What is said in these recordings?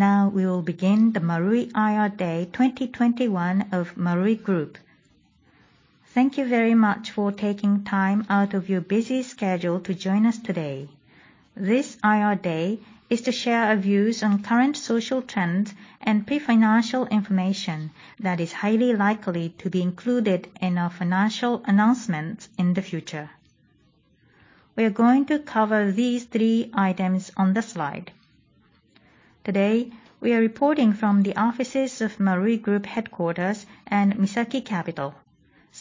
Now we will begin the Marui IR Day 2021 of MARUI GROUP. Thank you very much for taking time out of your busy schedule to join us today. This IR Day is to share our views on current social trends and pre-financial information that is highly likely to be included in our financial announcements in the future. We are going to cover these three items on the slide. Today, we are reporting from the offices of MARUI GROUP headquarters and Misaki Capital.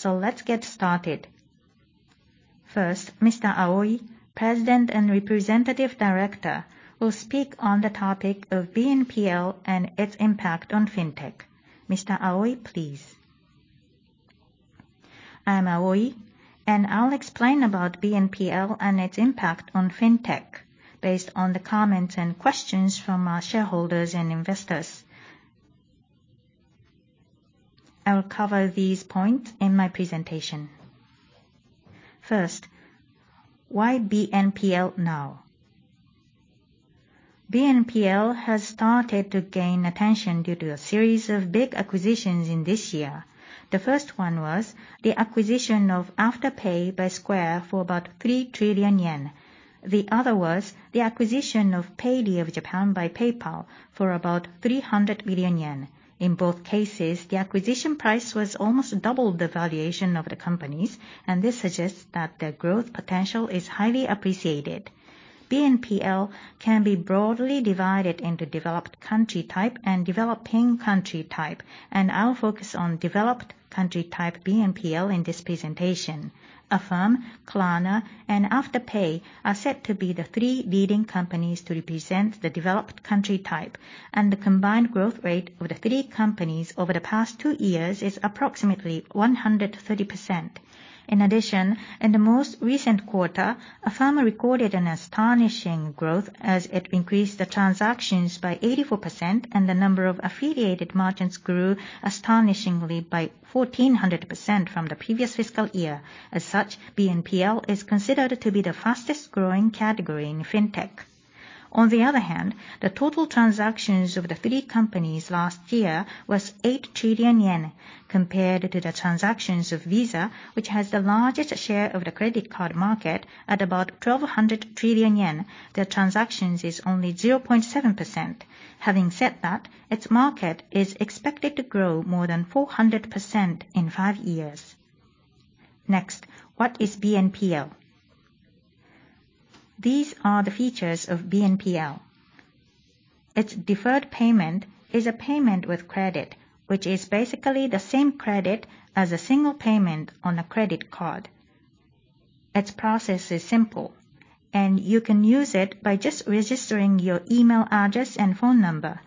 Let's get started. First, Mr. Aoi, President and Representative Director, will speak on the topic of BNPL and its impact on FinTech. Mr. Aoi, please. I'm Aoi, and I'll explain about BNPL and its impact on FinTech based on the comments and questions from our shareholders and investors. I'll cover these points in my presentation. First, why BNPL now? BNPL has started to gain attention due to a series of big acquisitions in this year. The first one was the acquisition of Afterpay by Square for about 3 trillion yen. The other was the acquisition of Paidy of Japan by PayPal for about 300 billion yen. In both cases, the acquisition price was almost double the valuation of the companies, and this suggests that their growth potential is highly appreciated. BNPL can be broadly divided into developed country type and developing country type, and I'll focus on developed country type BNPL in this presentation. Affirm, Klarna, and Afterpay are said to be the three leading companies to represent the developed country type, and the combined growth rate of the three companies over the past two years is approximately 130%. In addition, in the most recent quarter, Affirm recorded an astonishing growth as it increased the transactions by 84% and the number of affiliated merchants grew astonishingly by 1,400% from the previous fiscal year. As such, BNPL is considered to be the fastest-growing category in FinTech. On the other hand, the total transactions of the three companies last year was 8 trillion yen compared to the transactions of Visa, which has the largest share of the credit card market at about 1,200 trillion yen. Their transactions is only 0.7%. Having said that, its market is expected to grow more than 400% in five years. Next, what is BNPL? These are the features of BNPL. Its deferred payment is a payment with credit, which is basically the same credit as a single payment on a credit card. Its process is simple, and you can use it by just registering your email address and phone number.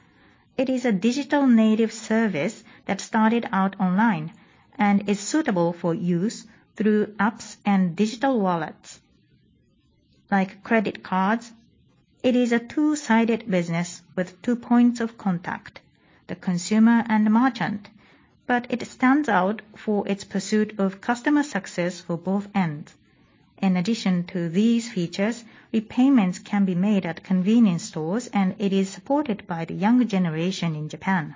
It is a digital native service that started out online and is suitable for use through apps and digital wallets. Like credit cards, it is a two-sided business with two points of contact, the consumer and the merchant. It stands out for its pursuit of customer success for both ends. In addition to these features, repayments can be made at convenience stores, and it is supported by the younger generation in Japan.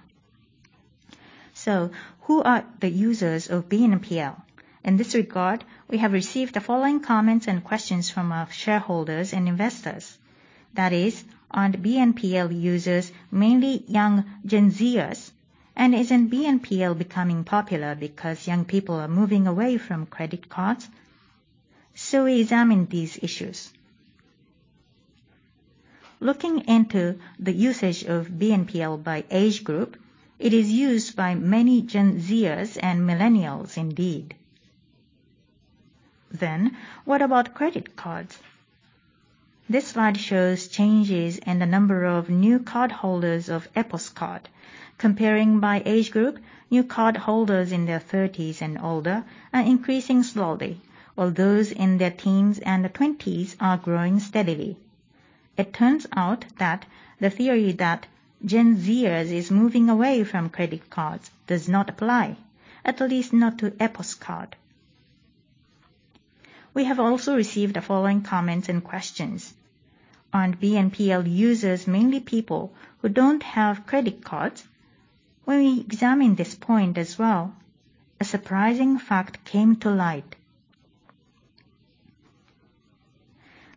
Who are the users of BNPL? In this regard, we have received the following comments and questions from our shareholders and investors. That is, are the BNPL users mainly young Gen Z-ers, and isn't BNPL becoming popular because young people are moving away from credit cards? We examine these issues. Looking into the usage of BNPL by age group, it is used by many Gen Z-ers and Millennials indeed. What about credit cards? This slide shows changes in the number of new cardholders of EPOS Card. Comparing by age group, new cardholders in their 30s and older are increasing slowly, while those in their teens and 20s are growing steadily. It turns out that the theory that Gen Z-ers is moving away from credit cards does not apply, at least not to EPOS Card. We have also received the following comments and questions. Are BNPL users mainly people who don't have credit cards? When we examine this point as well, a surprising fact came to light.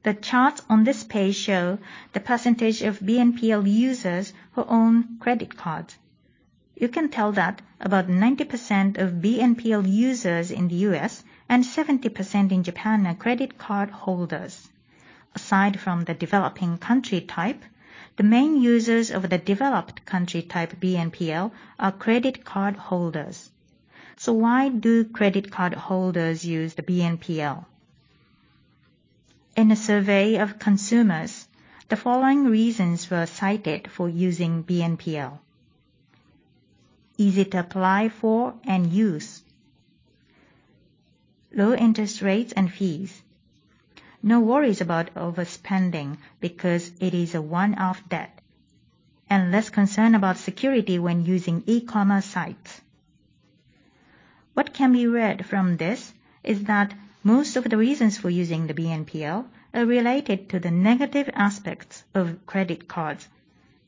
The charts on this page show the percentage of BNPL users who own credit cards. You can tell that about 90% of BNPL users in the U.S. and 70% in Japan are credit card holders. Aside from the developing country type, the main users of the developed country type BNPL are credit card holders. Why do credit card holders use the BNPL? In a survey of consumers, the following reasons were cited for using BNPL. Easy to apply for and use. Low interest rates and fees. No worries about overspending because it is a one-off debt. And less concern about security when using e-commerce sites. What can be read from this is that most of the reasons for using the BNPL are related to the negative aspects of credit cards.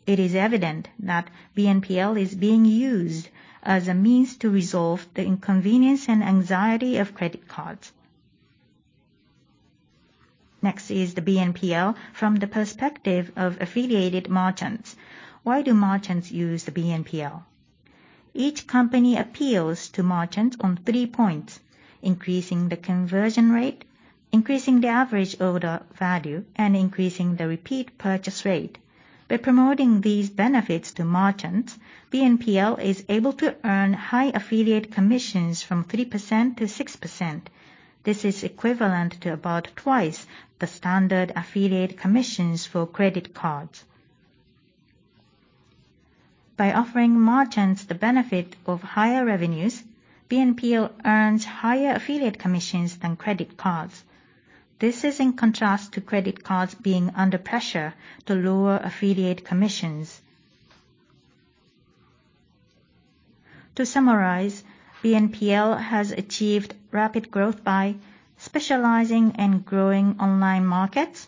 It is evident that BNPL is being used as a means to resolve the inconvenience and anxiety of credit cards. Next is the BNPL from the perspective of affiliated merchants. Why do merchants use the BNPL? Each company appeals to merchants on three points: increasing the conversion rate, increasing the average order value, and increasing the repeat purchase rate. By promoting these benefits to merchants, BNPL is able to earn high affiliate commissions from 3%-6%. This is equivalent to about twice the standard affiliate commissions for credit cards. By offering merchants the benefit of higher revenues, BNPL earns higher affiliate commissions than credit cards. This is in contrast to credit cards being under pressure to lower affiliate commissions. To summarize, BNPL has achieved rapid growth by specializing in growing online markets,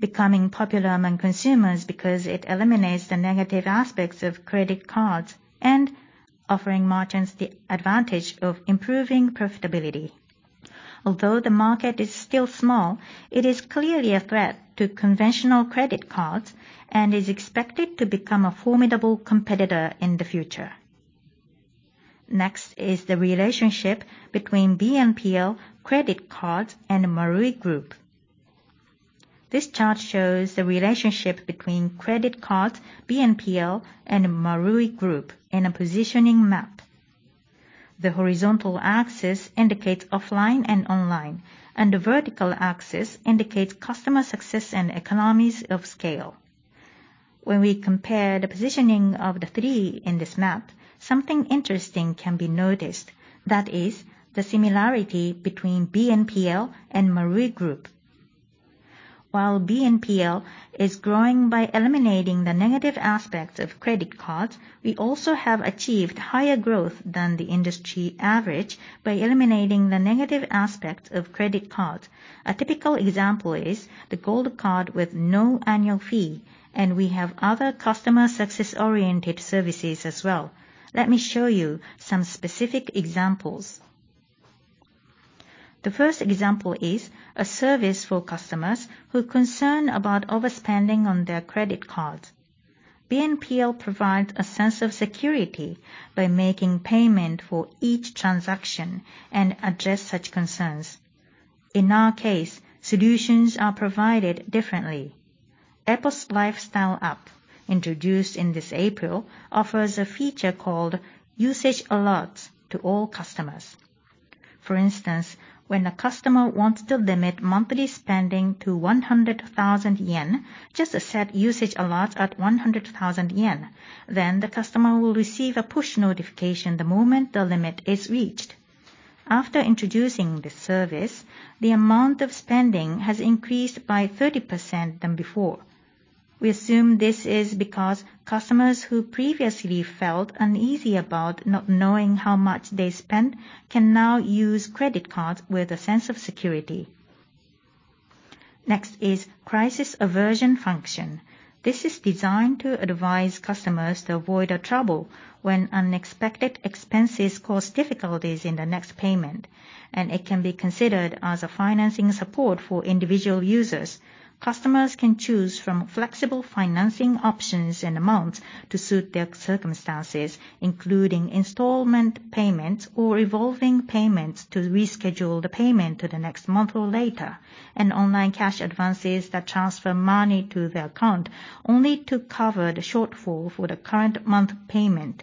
becoming popular among consumers because it eliminates the negative aspects of credit cards, and offering merchants the advantage of improving profitability. Although the market is still small, it is clearly a threat to conventional credit cards and is expected to become a formidable competitor in the future. Next is the relationship between BNPL, credit cards, and MARUI GROUP. This chart shows the relationship between credit cards, BNPL, and MARUI GROUP in a positioning map. The horizontal axis indicates offline and online, and the vertical axis indicates customer success and economies of scale. When we compare the positioning of the three in this map, something interesting can be noticed. That is the similarity between BNPL and MARUI GROUP. While BNPL is growing by eliminating the negative aspects of credit cards, we also have achieved higher growth than the industry average by eliminating the negative aspects of credit cards. A typical example is the Gold Card with no annual fee, and we have other customer success-oriented services as well. Let me show you some specific examples. The first example is a service for customers who are concerned about overspending on their credit cards. BNPL provides a sense of security by making payment for each transaction and address such concerns. In our case, solutions are provided differently. Epos Lifestyle App, introduced in this April, offers a feature called Usage Alerts to all customers. For instance, when a customer wants to limit monthly spending to 100,000 yen, just set Usage Alerts at 100,000 yen. Then the customer will receive a push notification the moment the limit is reached. After introducing this service, the amount of spending has increased by 30% than before. We assume this is because customers who previously felt uneasy about not knowing how much they spent can now use credit cards with a sense of security. Next is crisis aversion function. This is designed to advise customers to avoid a trouble when unexpected expenses cause difficulties in the next payment, and it can be considered as a financing support for individual users. Customers can choose from flexible financing options and amounts to suit their circumstances, including installment payments or revolving payments to reschedule the payment to the next month or later, and online cash advances that transfer money to the account only to cover the shortfall for the current month payment.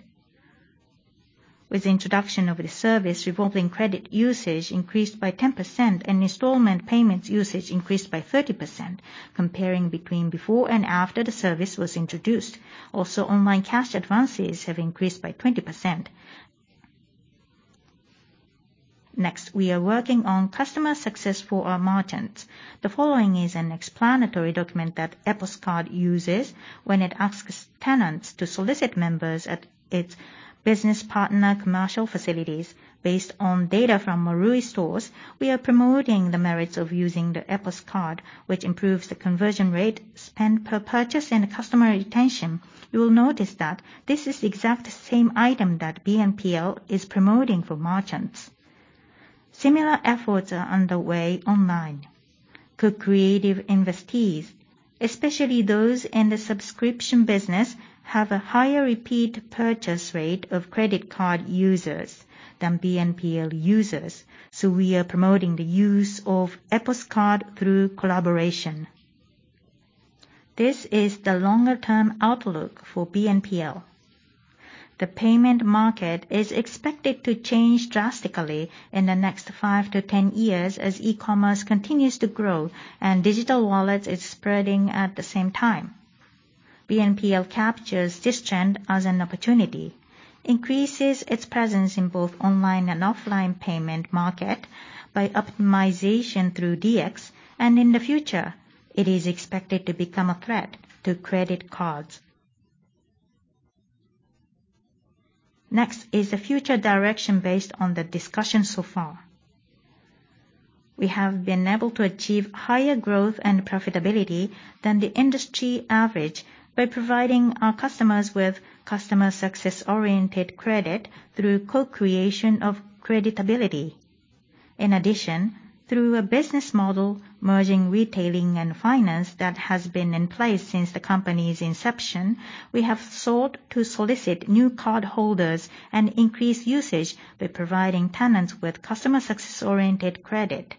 With the introduction of the service, revolving credit usage increased by 10% and installment payments usage increased by 30% comparing between before and after the service was introduced. Also, online cash advances have increased by 20%. Next, we are working on customer success for our merchants. The following is an explanatory document that EPOS Card uses when it asks tenants to solicit members at its business partner commercial facilities. Based on data from Marui stores, we are promoting the merits of using the EPOS Card, which improves the conversion rate, spend per purchase, and customer retention. You will notice that this is the exact same item that BNPL is promoting for merchants. Similar efforts are underway online. Co-creative investees, especially those in the subscription business, have a higher repeat purchase rate of credit card users than BNPL users, so we are promoting the use of EPOS Card through collaboration. This is the longer-term outlook for BNPL. The payment market is expected to change drastically in the next five to 10 years as e-commerce continues to grow and digital wallets is spreading at the same time. BNPL captures this trend as an opportunity, increases its presence in both online and offline payment market by optimization through DX, and in the future, it is expected to become a threat to credit cards. Next is the future direction based on the discussion so far. We have been able to achieve higher growth and profitability than the industry average by providing our customers with customer success-oriented credit through co-creation of credibility. In addition, through a business model merging Retailing and finance that has been in place since the company's inception, we have sought to solicit new cardholders and increase usage by providing tenants with customer success-oriented credit.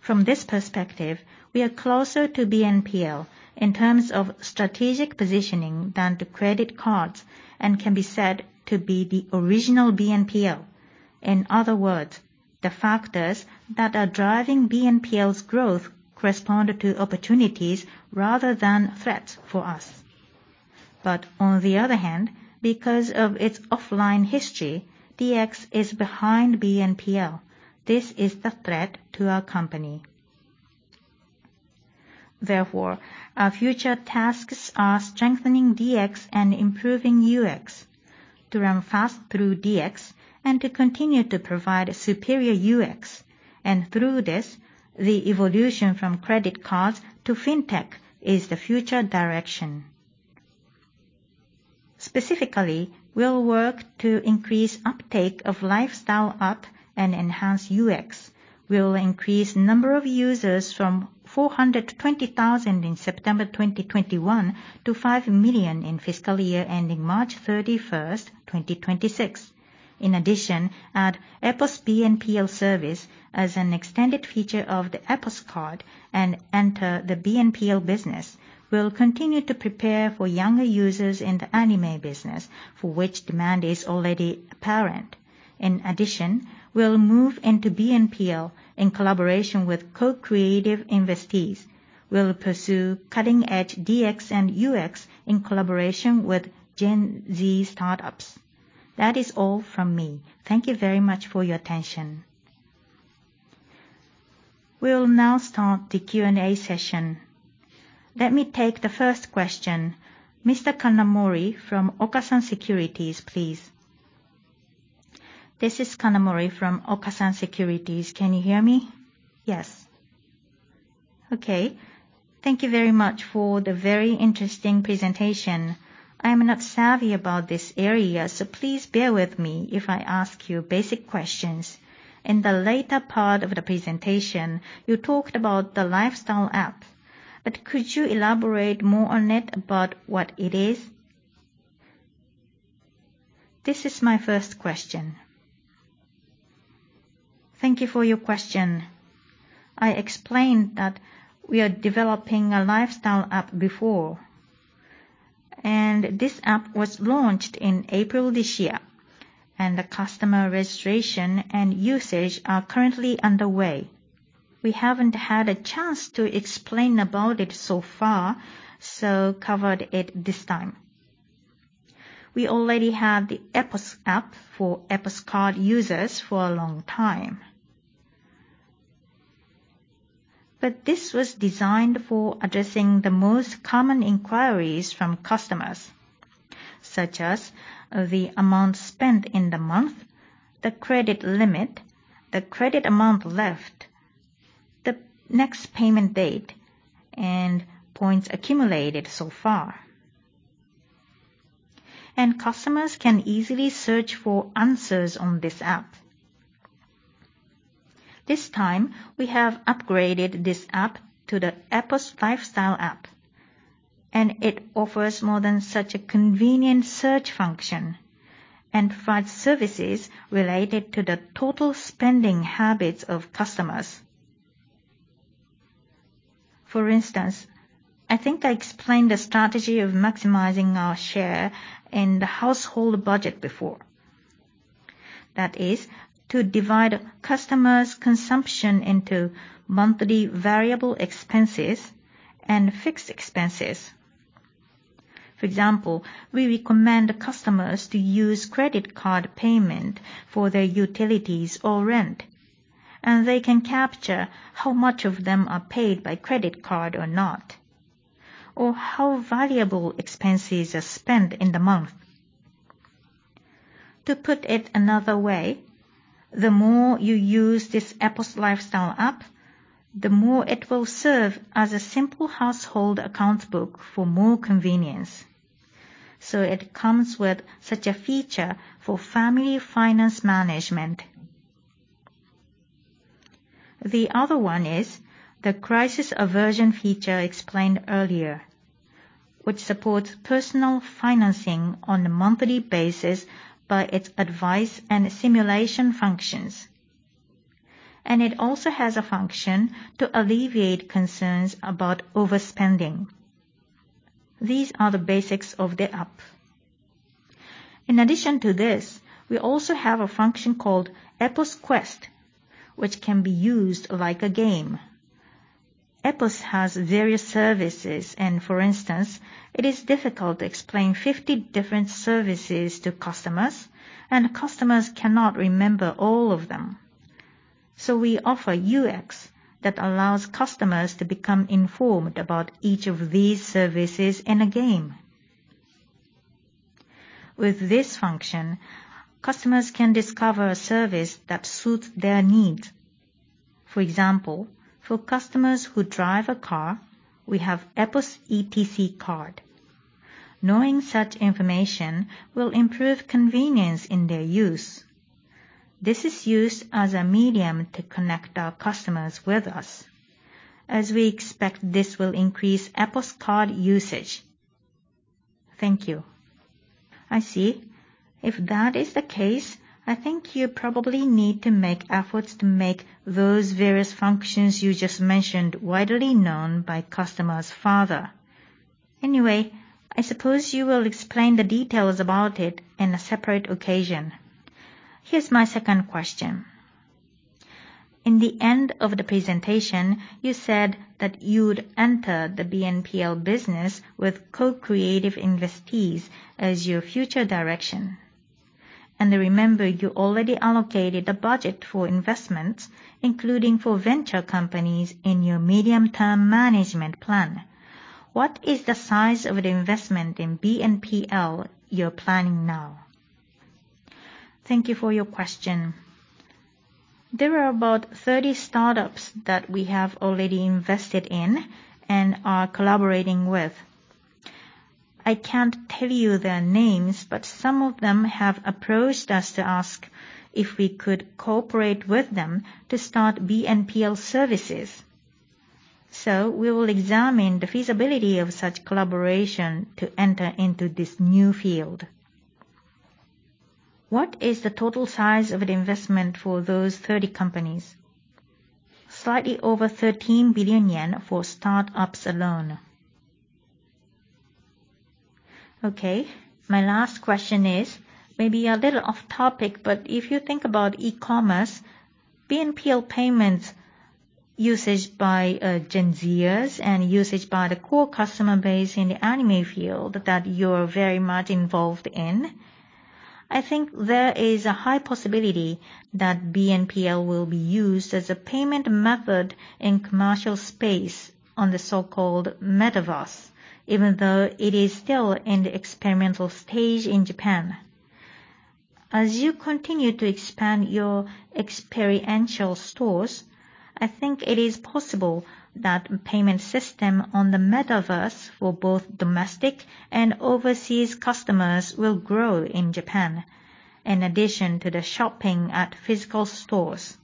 From this perspective, we are closer to BNPL in terms of strategic positioning than to credit cards and can be said to be the original BNPL. In other words, the factors that are driving BNPL's growth correspond to opportunities rather than threats for us. On the other hand, because of its offline history, DX is behind BNPL. This is the threat to our company. Therefore, our future tasks are strengthening DX and improving UX to run fast through DX and to continue to provide superior UX. Through this, the evolution from credit cards to FinTech is the future direction. Specifically, we'll work to increase uptake of Lifestyle App and enhance UX. We'll increase number of users from 420,000 in September 2021 to 5 million in fiscal year ending March 31st, 2026. In addition, add EPOS BNPL service as an extended feature of the EPOS Card and enter the BNPL business. We'll continue to prepare for younger users in the anime business, for which demand is already apparent. In addition, we'll move into BNPL in collaboration with co-creative investees. We'll pursue cutting-edge DX and UX in collaboration with Gen Z startups. That is all from me. Thank you very much for your attention. We'll now start the Q&A session. Let me take the first question. Mr. Kanamori from Okasan Securities, please. This is Kanamori from Okasan Securities. Can you hear me? Yes. Okay. Thank you very much for the very interesting presentation. I'm not savvy about this area, so please bear with me if I ask you basic questions. In the later part of the presentation, you talked about the Lifestyle App, but could you elaborate more on it about what it is? This is my first question. Thank you for your question. I explained that we are developing a lifestyle app before, and this app was launched in April this year, and the customer registration and usage are currently underway. We haven't had a chance to explain about it so far, so covered it this time. We already have the Epos App for EPOS Card users for a long time. This was designed for addressing the most common inquiries from customers, such as the amount spent in the month, the credit limit, the credit amount left, the next payment date, and points accumulated so far. Customers can easily search for answers on this app. This time, we have upgraded this app to the Epos Lifestyle App, and it offers more than such a convenient search function and provides services related to the total spending habits of customers. For instance, I think I explained the strategy of maximizing our share in the household budget before. That is to divide customers' consumption into monthly variable expenses and fixed expenses. For example, we recommend customers to use credit card payment for their utilities or rent, and they can capture how much of them are paid by credit card or not, or how variable expenses are spent in the month. To put it another way, the more you use this Epos Lifestyle App, the more it will serve as a simple household accounts book for more convenience. It comes with such a feature for family finance management. The other one is the crisis aversion feature explained earlier, which supports personal financing on a monthly basis by its advice and simulation functions. It also has a function to alleviate concerns about overspending. These are the basics of the app. In addition to this, we also have a function called Epos Quest, which can be used like a game. EPOS has various services and for instance, it is difficult to explain 50 different services to customers, and customers cannot remember all of them. We offer UX that allows customers to become informed about each of these services in a game. With this function, customers can discover a service that suits their needs. For example, for customers who drive a car, we have Epos ETC card. Knowing such information will improve convenience in their use. This is used as a medium to connect our customers with us, as we expect this will increase EPOS Card usage. Thank you. I see. If that is the case, I think you probably need to make efforts to make those various functions you just mentioned widely known by customers further. Anyway, I suppose you will explain the details about it in a separate occasion. Here's my second question. In the end of the presentation, you said that you'd enter the BNPL business with co-creative investees as your future direction. I remember you already allocated a budget for investments, including for venture companies in your medium-term management plan. What is the size of the investment in BNPL you're planning now? Thank you for your question. There are about 30 startups that we have already invested in and are collaborating with. I can't tell you their names, but some of them have approached us to ask if we could cooperate with them to start BNPL services. We will examine the feasibility of such collaboration to enter into this new field. What is the total size of the investment for those 30 companies? Slightly over 13 billion yen for startups alone. Okay. My last question is maybe a little off topic, but if you think about e-commerce, BNPL payments usage by Gen Z-ers and usage by the core customer base in the anime field that you're very much involved in, I think there is a high possibility that BNPL will be used as a payment method in commercial space on the so-called Metaverse, even though it is still in the experimental stage in Japan. As you continue to expand your experiential stores, I think it is possible that payment system on the Metaverse for both domestic and overseas customers will grow in Japan, in addition to the shopping at physical stores.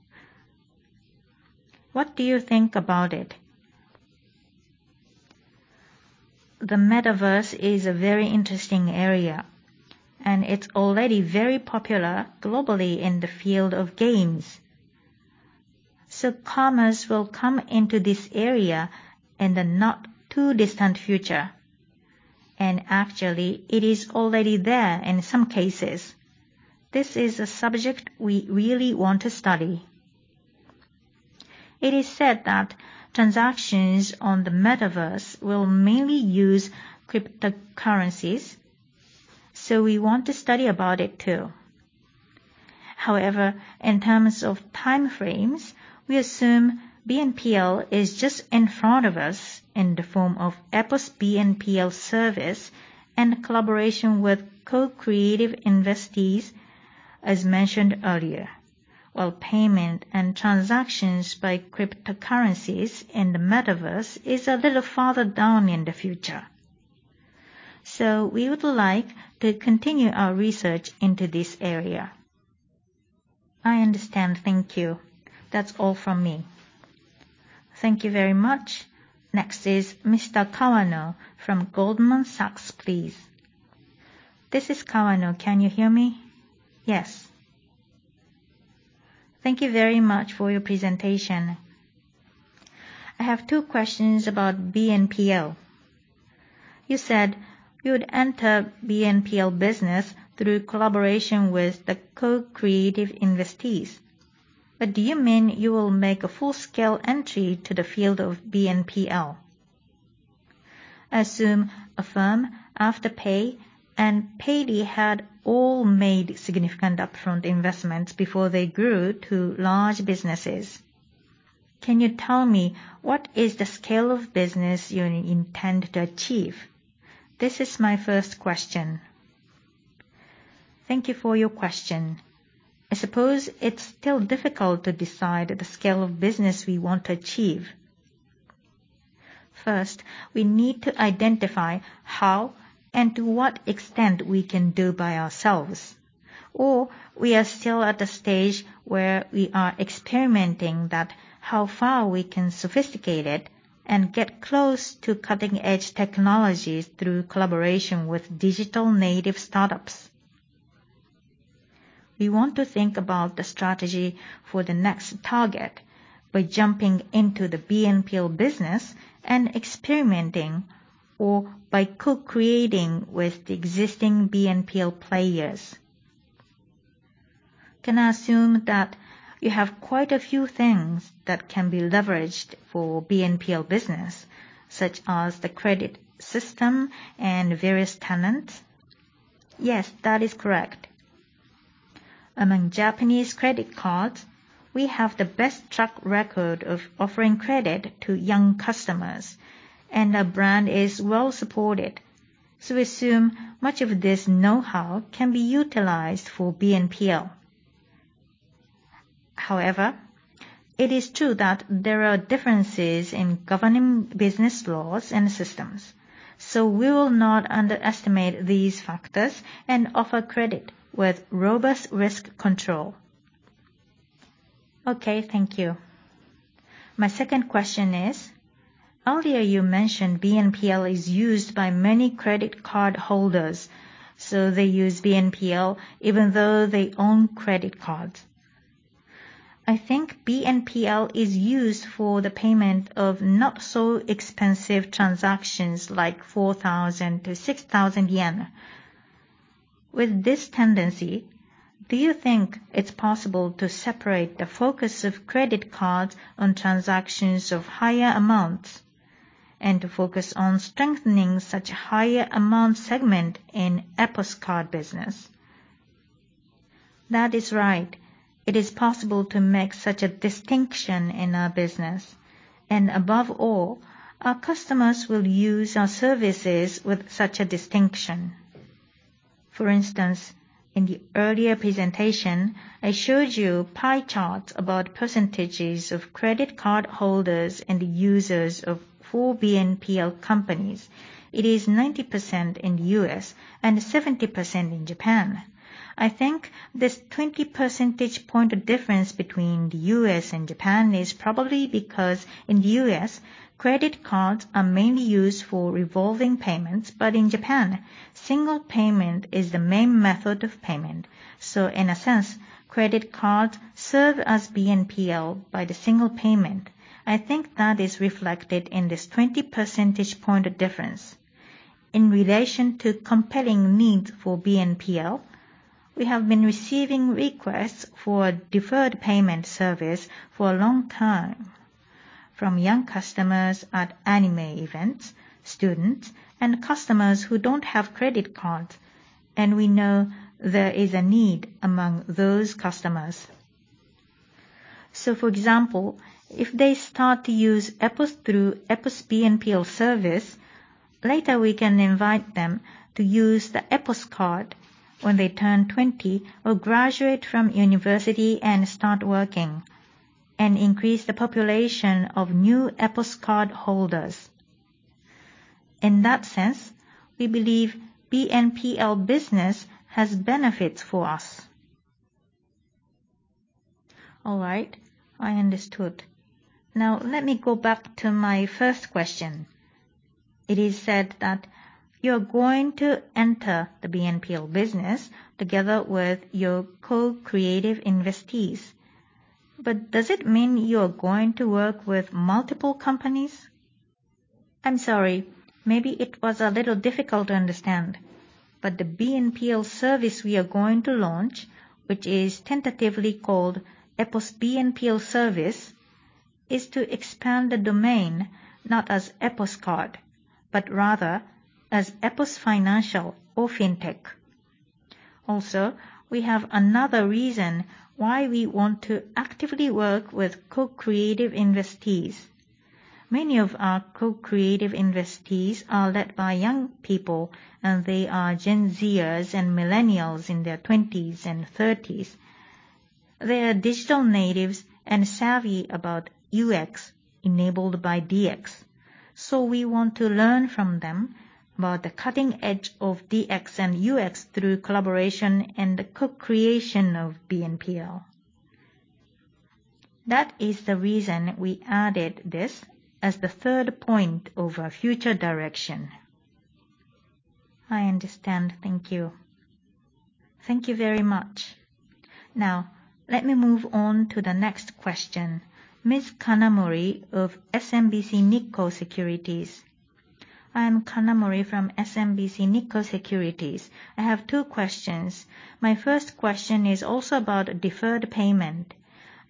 What do you think about it? The Metaverse is a very interesting area, and it's already very popular globally in the field of games. Commerce will come into this area in the not too distant future, and actually it is already there in some cases. This is a subject we really want to study. It is said that transactions on the Metaverse will mainly use cryptocurrencies, so we want to study about it too. However, in terms of time frames, we assume BNPL is just in front of us in the form of EPOS BNPL service and collaboration with co-creative investees, as mentioned earlier. While payment and transactions by cryptocurrencies in the Metaverse is a little further down in the future. We would like to continue our research into this area. I understand. Thank you. That's all from me. Thank you very much. Next is Mr. Kawano from Goldman Sachs, please. This is Kawano. Can you hear me? Yes. Thank you very much for your presentation. I have two questions about BNPL. You said you'd enter BNPL business through collaboration with the co-creative investees, but do you mean you will make a full-scale entry to the field of BNPL? I assume Affirm, Afterpay, and Paidy had all made significant upfront investments before they grew to large businesses. Can you tell me what is the scale of business you intend to achieve? This is my first question. Thank you for your question. I suppose it's still difficult to decide the scale of business we want to achieve. First, we need to identify how and to what extent we can do by ourselves, or we are still at the stage where we are experimenting that how far we can sophisticate it and get close to cutting-edge technologies through collaboration with digital native startups. We want to think about the strategy for the next target by jumping into the BNPL business and experimenting or by co-creating with the existing BNPL players. Can I assume that you have quite a few things that can be leveraged for BNPL business, such as the credit system and various tenants? Yes, that is correct. Among Japanese credit cards, we have the best track record of offering credit to young customers, and our brand is well supported. So we assume much of this know-how can be utilized for BNPL. However, it is true that there are differences in governing business laws and systems, so we will not underestimate these factors and offer credit with robust risk control. Okay, thank you. My second question is, earlier you mentioned BNPL is used by many credit card holders, so they use BNPL even though they own credit cards. I think BNPL is used for the payment of not so expensive transactions, like 4,000-6,000 yen. With this tendency, do you think it's possible to separate the focus of credit cards on transactions of higher amounts and to focus on strengthening such higher amount segment in EPOS Card business? That is right. It is possible to make such a distinction in our business. Above all, our customers will use our services with such a distinction. For instance, in the earlier presentation, I showed you pie charts about percentages of credit card holders and users of four BNPL companies. It is 90% in the U.S. and 70% in Japan. I think this 20 percentage point of difference between the U.S. and Japan is probably because in the U.S. credit cards are mainly used for revolving payments, but in Japan, single payment is the main method of payment. In a sense, credit cards serve as BNPL by the single payment. I think that is reflected in this 20 percentage point of difference. In relation to compelling needs for BNPL, we have been receiving requests for deferred payment service for a long time from young customers at anime events, students, and customers who don't have credit cards. We know there is a need among those customers. For example, if they start to use EPOS through EPOS BNPL service, later we can invite them to use the EPOS Card when they turn 20 or graduate from university and start working, and increase the population of new EPOS Card holders. In that sense, we believe BNPL business has benefits for us. All right. I understood. Now let me go back to my first question. It is said that you're going to enter the BNPL business together with your co-creative investees. Does it mean you're going to work with multiple companies? I'm sorry, maybe it was a little difficult to understand. The BNPL service we are going to launch, which is tentatively called EPOS BNPL service, is to expand the domain, not as EPOS Card, but rather as EPOS Financial or FinTech. Also, we have another reason why we want to actively work with co-creative investees. Many of our co-creative investees are led by young people, and they are Gen Z-ers and Millennials in their 20s and 30s. They are digital natives and savvy about UX enabled by DX. We want to learn from them about the cutting edge of DX and UX through collaboration and the co-creation of BNPL. That is the reason we added this as the third point of our future direction. I understand. Thank you. Thank you very much. Now, let me move on to the next question. Ms. Kanamori of SMBC Nikko Securities. I'm Kanamori from SMBC Nikko Securities. I have two questions. My first question is also about deferred payment.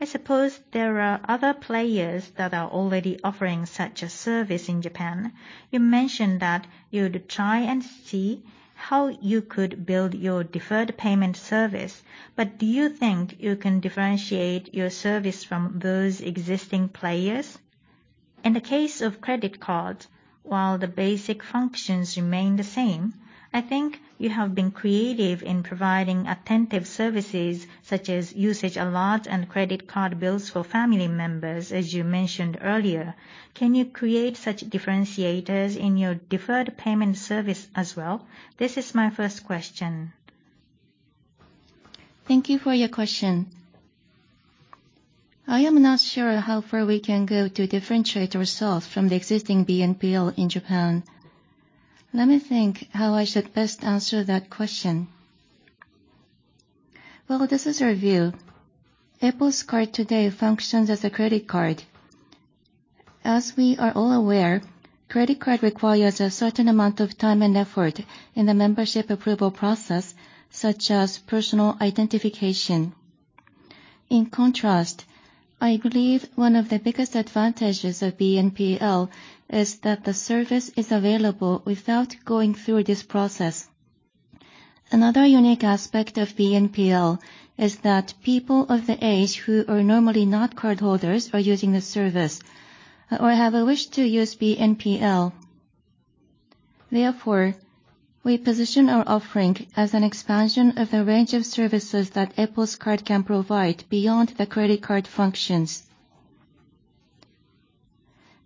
I suppose there are other players that are already offering such a service in Japan. You mentioned that you'd try and see how you could build your deferred payment service, but do you think you can differentiate your service from those existing players? In the case of credit cards, while the basic functions remain the same, I think you have been creative in providing attentive services such as Usage Alerts and credit card bills for family members, as you mentioned earlier. Can you create such differentiators in your deferred payment service as well? This is my first question. Thank you for your question. I am not sure how far we can go to differentiate ourselves from the existing BNPL in Japan. Let me think how I should best answer that question. Well, this is our view. EPOS Card today functions as a credit card. As we are all aware, credit card requires a certain amount of time and effort in the membership approval process, such as personal identification. In contrast, I believe one of the biggest advantages of BNPL is that the service is available without going through this process. Another unique aspect of BNPL is that people of the age who are normally not cardholders are using the service or have a wish to use BNPL. Therefore, we position our offering as an expansion of the range of services that EPOS Card can provide beyond the credit card functions.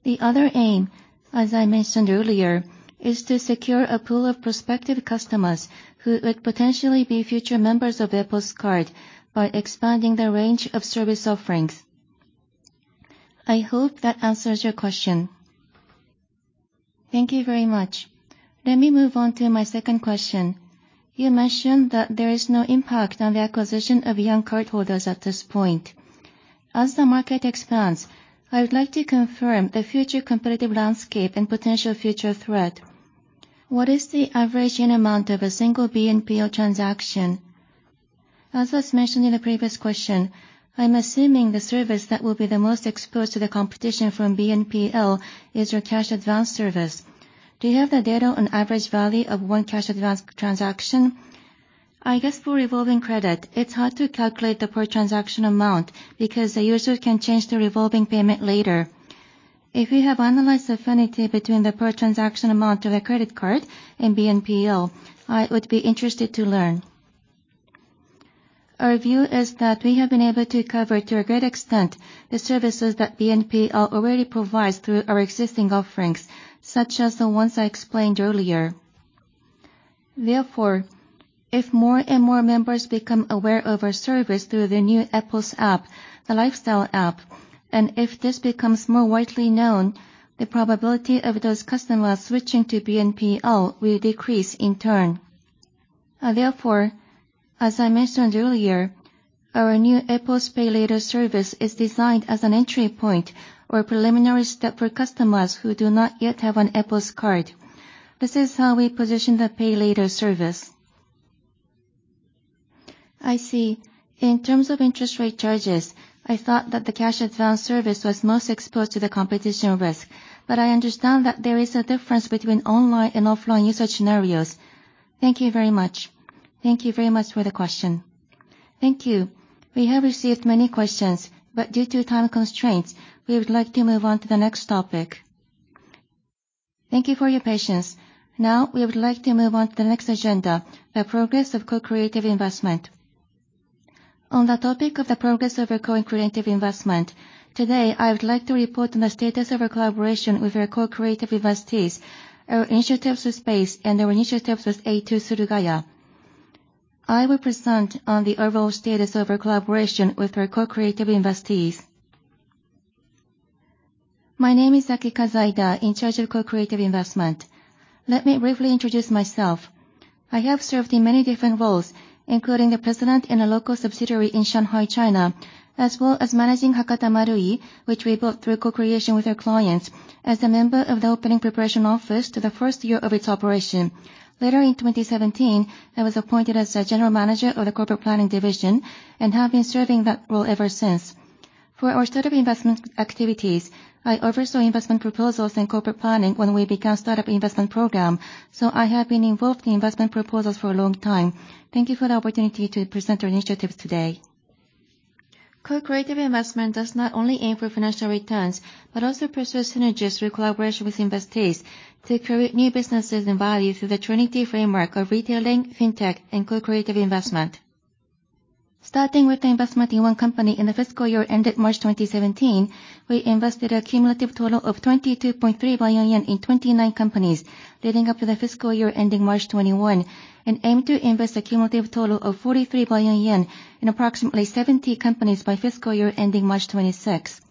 The other aim, as I mentioned earlier, is to secure a pool of prospective customers who would potentially be future members of EPOS Card by expanding the range of service offerings. I hope that answers your question. Thank you very much. Let me move on to my second question. You mentioned that there is no impact on the acquisition of young cardholders at this point. As the market expands, I would like to confirm the future competitive landscape and potential future threat. What is the average unit amount of a single BNPL transaction? As was mentioned in the previous question, I'm assuming the service that will be the most exposed to the competition from BNPL is your cash advance service. Do you have the data on average value of one cash advance transaction? I guess for revolving credit, it's hard to calculate the per transaction amount because the user can change the revolving payment later. If you have analyzed affinity between the per transaction amount of a credit card and BNPL, I would be interested to learn. Our view is that we have been able to cover, to a great extent, the services that BNPL already provides through our existing offerings, such as the ones I explained earlier. Therefore, if more and more members become aware of our service through the new Epos App, the Lifestyle App, and if this becomes more widely known, the probability of those customers switching to BNPL will decrease in turn. Therefore, as I mentioned earlier, our new EPOS Pay Later service is designed as an entry point or a preliminary step for customers who do not yet have an EPOS Card. This is how we position the Pay Later service. I see. In terms of interest rate charges, I thought that the cash advance service was most exposed to the competition risk, but I understand that there is a difference between online and offline usage scenarios. Thank you very much. Thank you very much for the question. Thank you. We have received many questions, but due to time constraints, we would like to move on to the next topic. Thank you for your patience. Now, we would like to move on to the next agenda, the progress of Co-Creative Investment. On the topic of the progress of our Co-Creative Investment, today, I would like to report on the status of our collaboration with our co-creative investees, our initiatives with BASE and our initiatives with A2 Surugaya. I will present on the overall status of our collaboration with our co-creative investees. My name is Akikazu Aida, in charge of Co-Creative Investment. Let me briefly introduce myself. I have served in many different roles, including the president in a local subsidiary in Shanghai, China, as well as managing Hakata Marui, which we built through co-creation with our clients as a member of the opening preparation office to the first year of its operation. Later in 2017, I was appointed as the general manager of the corporate planning division and have been serving that role ever since. For our startup investment activities, I oversaw investment proposals and corporate planning when we began startup investment program, so I have been involved in investment proposals for a long time. Thank you for the opportunity to present our initiatives today. Co-Creative Investment does not only aim for financial returns, but also pursue synergies through collaboration with investees to create new businesses and value through the trinity framework of Retailing, FinTech, and Co-Creative Investment. Starting with the investment in one company in the fiscal year ended March 2017, we invested a cumulative total of 22.3 billion yen in 29 companies leading up to the fiscal year ending March 2021 and aim to invest a cumulative total of 43 billion yen in approximately 70 companies by fiscal year ending March 2026.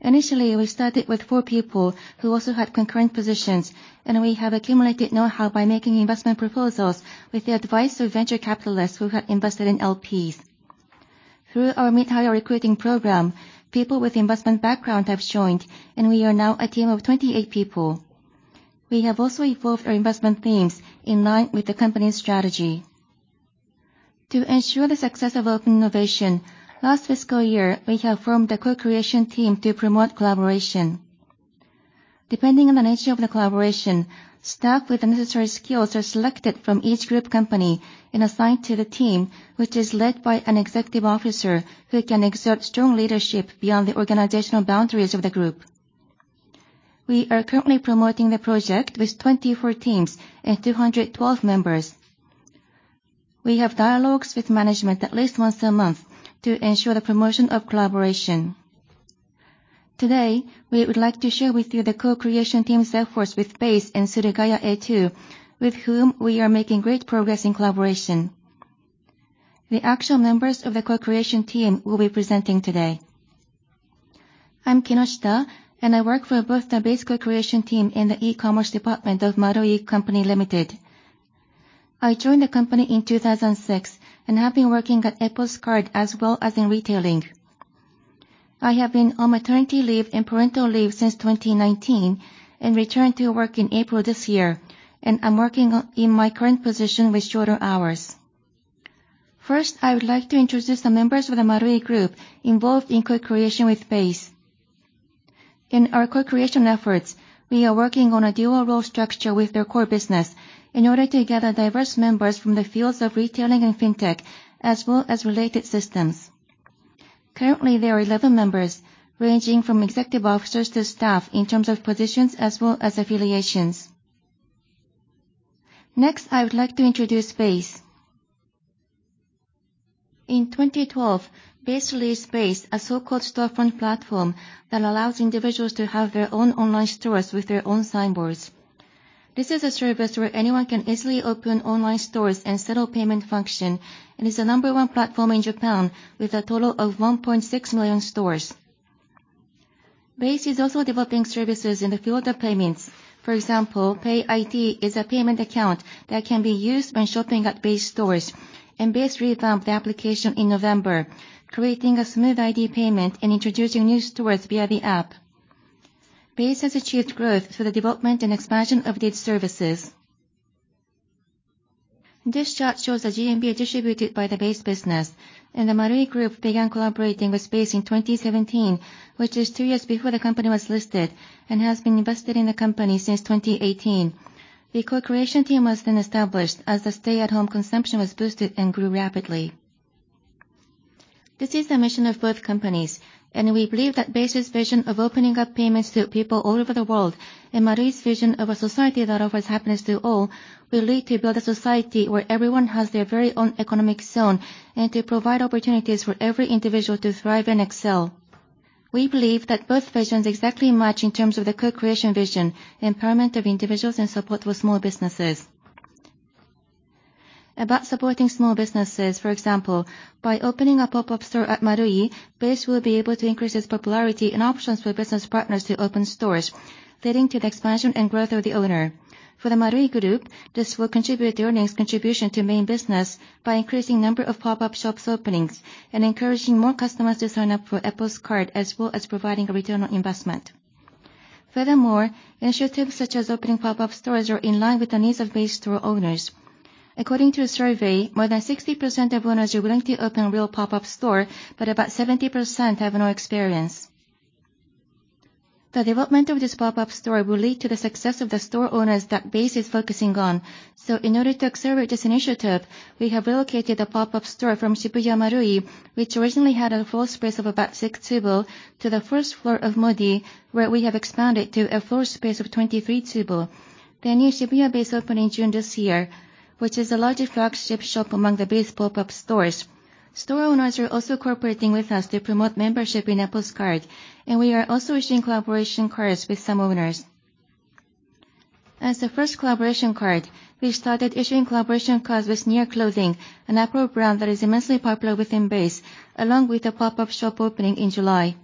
Initially, we started with four people who also had concurrent positions, and we have accumulated knowhow by making investment proposals with the advice of venture capitalists who have invested in LPs. Through our mid-hire recruiting program, people with investment background have joined, and we are now a team of 28 people. We have also evolved our investment themes in line with the company's strategy. To ensure the success of open innovation, last fiscal year we have formed a Co-Creation team to promote collaboration. Depending on the nature of the collaboration, staff with the necessary skills are selected from each group company and assigned to the team, which is led by an executive officer who can exert strong leadership beyond the organizational boundaries of the group. We are currently promoting the project with 24 teams and 212 members. We have dialogues with management at least once a month to ensure the promotion of collaboration. Today, we would like to share with you the Co-Creation team's efforts with BASE and Surugaya A2, with whom we are making great progress in collaboration. The actual members of the Co-Creation team will be presenting today. I'm Kinoshita, and I work for both the BASE Co-Creation team and the e-commerce department of Marui Company Limited. I joined the company in 2006 and have been working at EPOS Card as well as in Retailing. I have been on maternity leave and parental leave since 2019 and returned to work in April this year, and I'm working in my current position with shorter hours. First, I would like to introduce the members of the MARUI GROUP involved in co-creation with BASE. In our co-creation efforts, we are working on a dual role structure with their core business in order to gather diverse members from the fields of Retailing and FinTech, as well as related systems. Currently, there are 11 members ranging from executive officers to staff in terms of positions as well as affiliations. Next, I would like to introduce BASE. In 2012, BASE released BASE, a so-called storefront platform that allows individuals to have their own online stores with their own signboards. This is a service where anyone can easily open online stores and settle payment function, and is the number one platform in Japan with a total of 1.6 million stores. BASE is also developing services in the field of payments. For example, Pay ID is a payment account that can be used when shopping at BASE stores. BASE revamped the application in November, creating a smooth ID payment and introducing new stores via the app. BASE has achieved growth through the development and expansion of these services. This chart shows the GMV distributed by the BASE business, and the MARUI GROUP began collaborating with BASE in 2017, which is two years before the company was listed and has invested in the company since 2018. The Co-Creation team was then established as the stay-at-home consumption was boosted and grew rapidly. This is the mission of both companies, and we believe that BASE's vision of opening up payments to people all over the world and Marui's vision of a society that offers happiness to all will lead to build a society where everyone has their very own economic zone, and to provide opportunities for every individual to thrive and excel. We believe that both visions exactly match in terms of the co-creation vision, empowerment of individuals and support for small businesses. About supporting small businesses, for example, by opening a pop-up store at Marui, BASE will be able to increase its popularity and options for business partners to open stores, leading to the expansion and growth of the owner. For the MARUI GROUP, this will contribute to earnings contribution to main business by increasing number of pop-up shops openings and encouraging more customers to sign up for EPOS Card, as well as providing a return on investment. Furthermore, initiatives such as opening pop-up stores are in line with the needs of BASE store owners. According to a survey, more than 60% of owners are willing to open real pop-up store, but about 70% have no experience. The development of this pop-up store will lead to the success of the store owners that BASE is focusing on. In order to accelerate this initiative, we have relocated the pop-up store from Shibuya Marui, which originally had a floor space of about 6 tsubo, to the first floor of Modi, where we have expanded to a floor space of 23 tsubo. The new Shibuya BASE opened in June this year, which is the largest flagship shop among the BASE pop-up stores. Store owners are also cooperating with us to promote membership in EPOS Card, and we are also issuing collaboration cards with some owners. As the first collaboration card, we started issuing collaboration cards with NieR Clothing, an apparel brand that is immensely popular within BASE, along with the pop-up shop opening in July.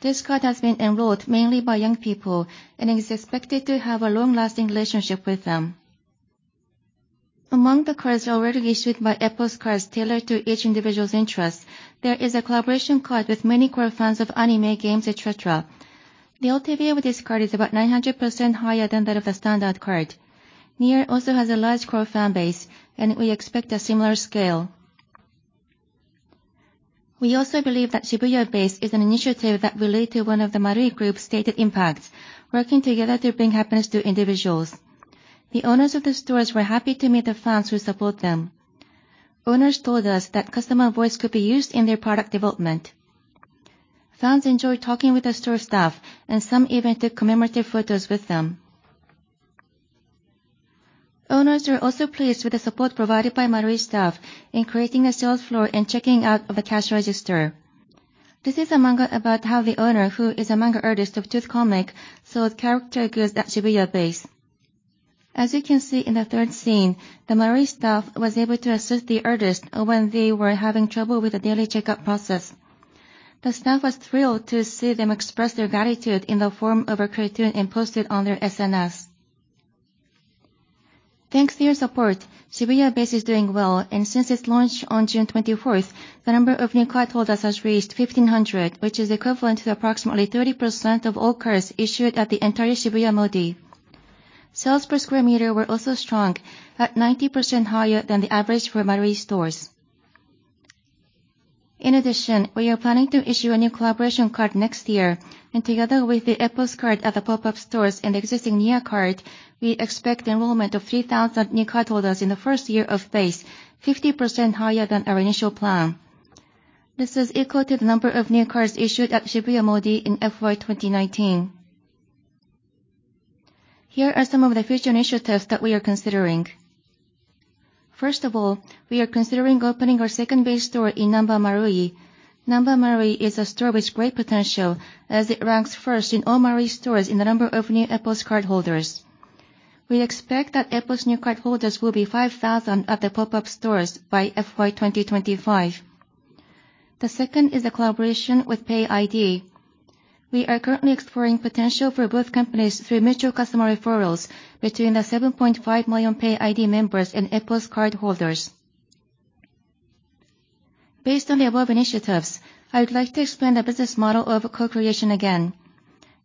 This card has been enrolled mainly by young people, and is expected to have a long-lasting relationship with them. Among the cards already issued by EPOS Cards tailored to each individual's interest, there is a collaboration card with many core fans of anime games, et cetera. The LTV of this card is about 900% higher than that of the standard card. NieR also has a large core fan base and we expect a similar scale. We also believe that Shibuya BASE is an initiative that will lead to one of the MARUI GROUP's stated impacts, working together to bring happiness to individuals. The owners of the stores were happy to meet the fans who support them. Owners told us that customer voice could be used in their product development. Fans enjoyed talking with the store staff, and some even took commemorative photos with them. Owners are also pleased with the support provided by Marui staff in creating a sales floor and checking out of the cash register. This is a manga about how the owner, who is a manga artist of Tooth Comic, sold character goods at Shibuya BASE. As you can see in the third scene, the Marui staff was able to assist the artist when they were having trouble with the daily checkout process. The staff was thrilled to see them express their gratitude in the form of a cartoon and post it on their SNS. Thanks to your support, Shibuya BASE is doing well, and since its launch on June 24th, the number of new cardholders has reached 1,500, which is equivalent to approximately 30% of all cards issued at the entire Shibuya MODI. Sales per square meter were also strong, at 90% higher than the average for Marui stores. In addition, we are planning to issue a new collaboration card next year. Together with the EPOS Card at the pop-up stores and existing NieR card, we expect enrollment of 3,000 new cardholders in the first year of BASE, 50% higher than our initial plan. This is equal to the number of new cards issued at Shibuya MODI in FY 2019. Here are some of the future initiatives that we are considering. First of all, we are considering opening our second BASE store in Namba Marui. Namba Marui is a store with great potential as it ranks first in all Marui stores in the number of new EPOS Card holders. We expect that EPOS new cardholders will be 5,000 at the pop-up stores by FY 2025. The second is a collaboration with Pay ID. We are currently exploring potential for both companies through mutual customer referrals between the 7.5 million Pay ID members and EPOS Card holders. Based on the above initiatives, I would like to explain the business model of co-creation again.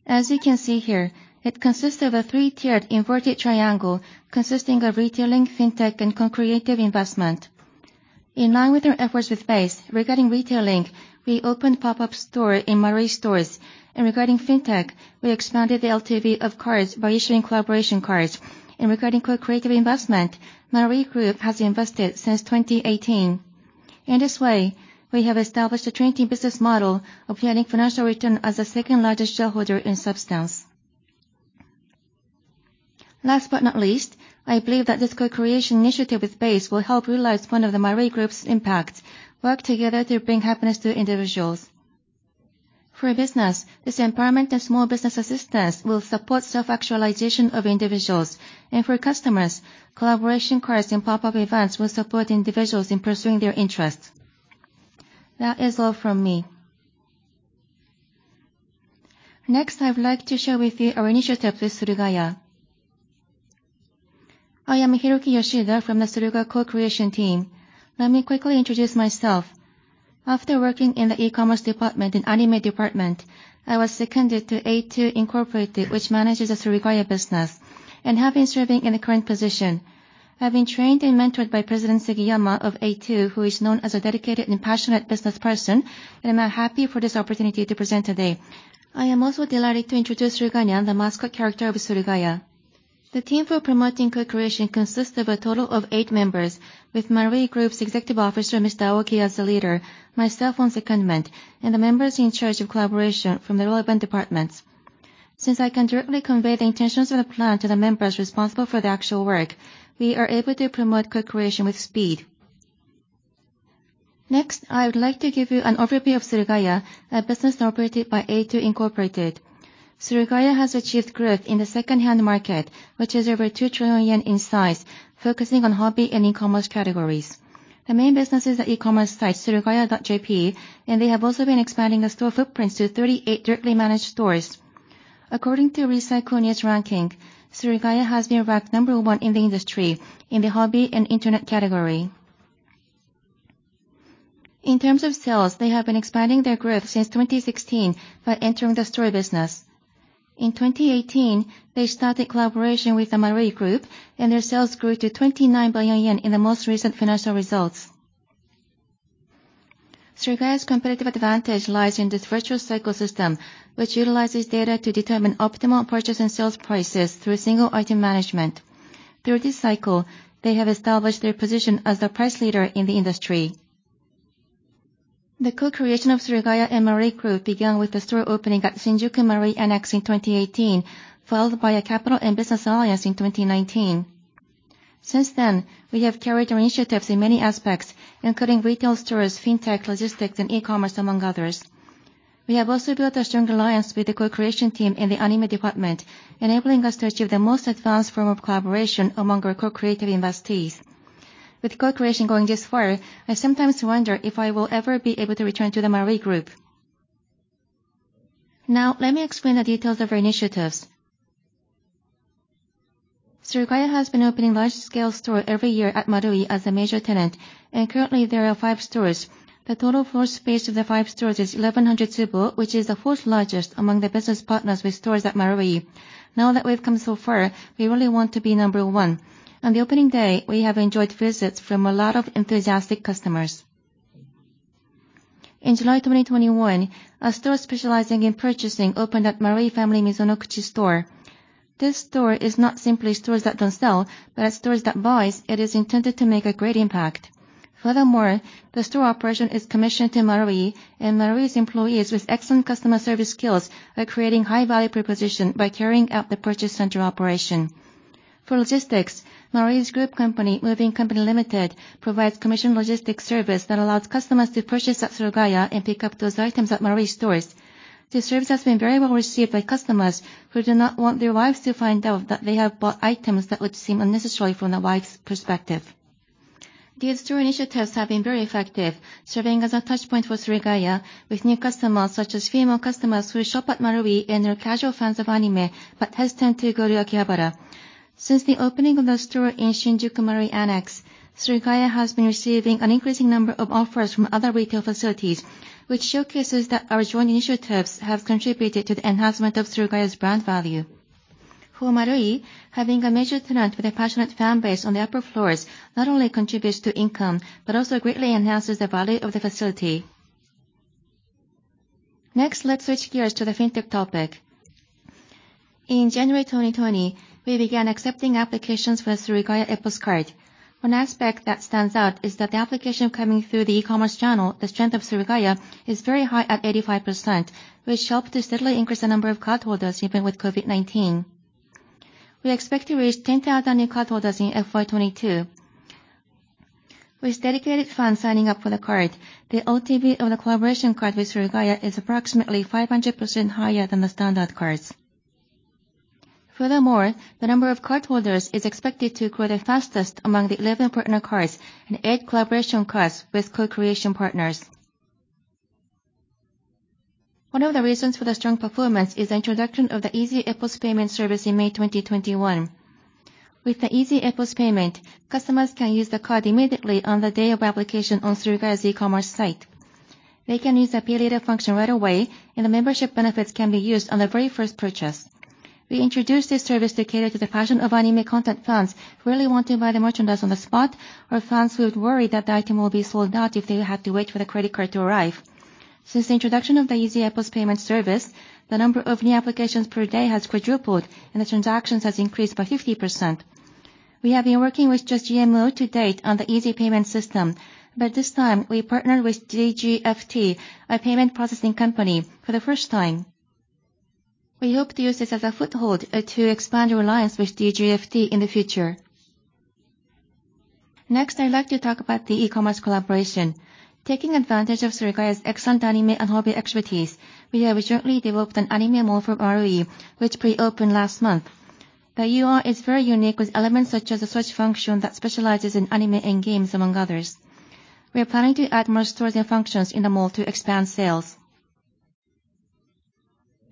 As you can see here, it consists of a three-tiered inverted triangle consisting of Retailing, FinTech, and Co-Creative Investment. In line with our efforts with BASE, regarding Retailing, we opened pop-up store in Marui stores. Regarding FinTech, we expanded the LTV of cards by issuing collaboration cards. Regarding Co-Creative Investment, MARUI GROUP has invested since 2018. In this way, we have established a trending business model of having financial return as the second-largest shareholder in substance. Last but not least, I believe that this co-creation initiative with BASE will help realize one of the MARUI GROUP's impacts, work together to bring happiness to individuals. For business, this empowerment and small business assistance will support self-actualization of individuals. For customers, collaboration cards and pop-up events will support individuals in pursuing their interests. That is all from me. Next, I would like to share with you our initiative with Surugaya. I am Hiroki Yoshida from the Surugaya Co-Creation Team. Let me quickly introduce myself. After working in the e-commerce department and anime department, I was seconded to A2 Incorporated, which manages the Surugaya business, and have been serving in the current position. I have been trained and mentored by President Sugiyama of A2, who is known as a dedicated and passionate business person, and I'm happy for this opportunity to present today. I am also delighted to introduce Rugonia, the mascot character of Surugaya. The team for promoting co-creation consists of a total of eight members with MARUI GROUP's Executive Officer, Mr. Aoki, as the leader, myself on secondment, and the members in charge of collaboration from the relevant departments. Since I can directly convey the intentions of the plan to the members responsible for the actual work, we are able to promote co-creation with speed. Next, I would like to give you an overview of Surugaya, a business operated by A2 Incorporated. Surugaya has achieved growth in the secondhand market, which is over 2 trillion yen in size, focusing on hobby and e-commerce categories. The main business is the e-commerce site, surugaya.jp, and they have also been expanding the store footprints to 38 directly managed stores. According to Recycle Tsushin's ranking, Surugaya has been ranked number one in the industry in the hobby and internet category. In terms of sales, they have been expanding their growth since 2016 by entering the store business. In 2018, they started collaboration with the MARUI GROUP and their sales grew to 29 billion yen in the most recent financial results. Surugaya's competitive advantage lies in this virtuous cycle system, which utilizes data to determine optimal purchase and sales prices through single item management. Through this cycle, they have established their position as the price leader in the industry. The co-creation of Surugaya and MARUI GROUP began with the store opening at Shinjuku Marui Annex in 2018, followed by a capital and business alliance in 2019. Since then, we have carried our initiatives in many aspects, including retail stores, FinTech, logistics, and e-commerce, among others. We have also built a strong alliance with the Co-Creation team in the anime department, enabling us to achieve the most advanced form of collaboration among our co-creative investees. With co-creation going this far, I sometimes wonder if I will ever be able to return to the MARUI GROUP. Now let me explain the details of our initiatives. Surugaya has been opening large-scale store every year at Marui as a major tenant, and currently there are five stores. The total floor space of the five stores is 1,100 tsubo, which is the fourth-largest among the business partners with stores at Marui. Now that we've come so far, we really want to be number one. On the opening day, we have enjoyed visits from a lot of enthusiastic customers. In July 2021, a store specializing in purchasing opened at Marui Family Mizunokuchi store. This store is not simply stores that don't sell, but as stores that buys, it is intended to make a great impact. Furthermore, the store operation is commissioned to Marui, and Marui's employees with excellent customer service skills are creating high value proposition by carrying out the purchase center operation. For logistics, Marui's group company, Moving Company Limited, provides commission logistics service that allows customers to purchase at Surugaya and pick up those items at Marui stores. This service has been very well received by customers who do not want their wives to find out that they have bought items that would seem unnecessary from the wife's perspective. These two initiatives have been very effective, serving as a touchpoint for Surugaya with new customers such as female customers who shop at Marui and are casual fans of anime but hesitant to go to Akihabara. Since the opening of the store in Shinjuku Marui Annex, Surugaya has been receiving an increasing number of offers from other retail facilities, which showcases that our joint initiatives have contributed to the enhancement of Surugaya's brand value. For Marui, having a major tenant with a passionate fan base on the upper floors not only contributes to income, but also greatly enhances the value of the facility. Next, let's switch gears to the FinTech topic. In January 2020, we began accepting applications for the Surugaya EPOS Card. One aspect that stands out is that the application coming through the e-commerce channel, the strength of Surugaya, is very high at 85%, which helped to steadily increase the number of cardholders even with COVID-19. We expect to reach 10,000 new cardholders in FY 2022. With dedicated fans signing up for the card. The LTV of the collaboration card with Surugaya is approximately 500% higher than the standard cards. Furthermore, the number of cardholders is expected to grow the fastest among the 11 partner cards and eight collaboration cards with co-creation partners. One of the reasons for the strong performance is the introduction of the EPOS Easy Payment service in May 2021. With the EPOS Easy Payment, customers can use the card immediately on the day of application on Surugaya's e-commerce site. They can use the Pay Later function right away, and the membership benefits can be used on the very first purchase. We introduced this service to cater to the passion of anime content fans who really want to buy the merchandise on the spot or fans who have worried that the item will be sold out if they had to wait for the credit card to arrive. Since the introduction of the easy EPOS payment service, the number of new applications per day has quadrupled and the transactions has increased by 50%. We have been working with GMO-to-date on the easy payment system, but this time we partnered with DGFT, a payment processing company, for the first time. We hope to use this as a foothold to expand our alliance with DGFT in the future. Next, I'd like to talk about the e-commerce collaboration. Taking advantage of Surugaya's excellent anime and hobby expertise, we have recently developed an anime mall for Marui, which pre-opened last month. The UI is very unique, with elements such as a search function that specializes in anime and games, among others. We are planning to add more stores and functions in the mall to expand sales.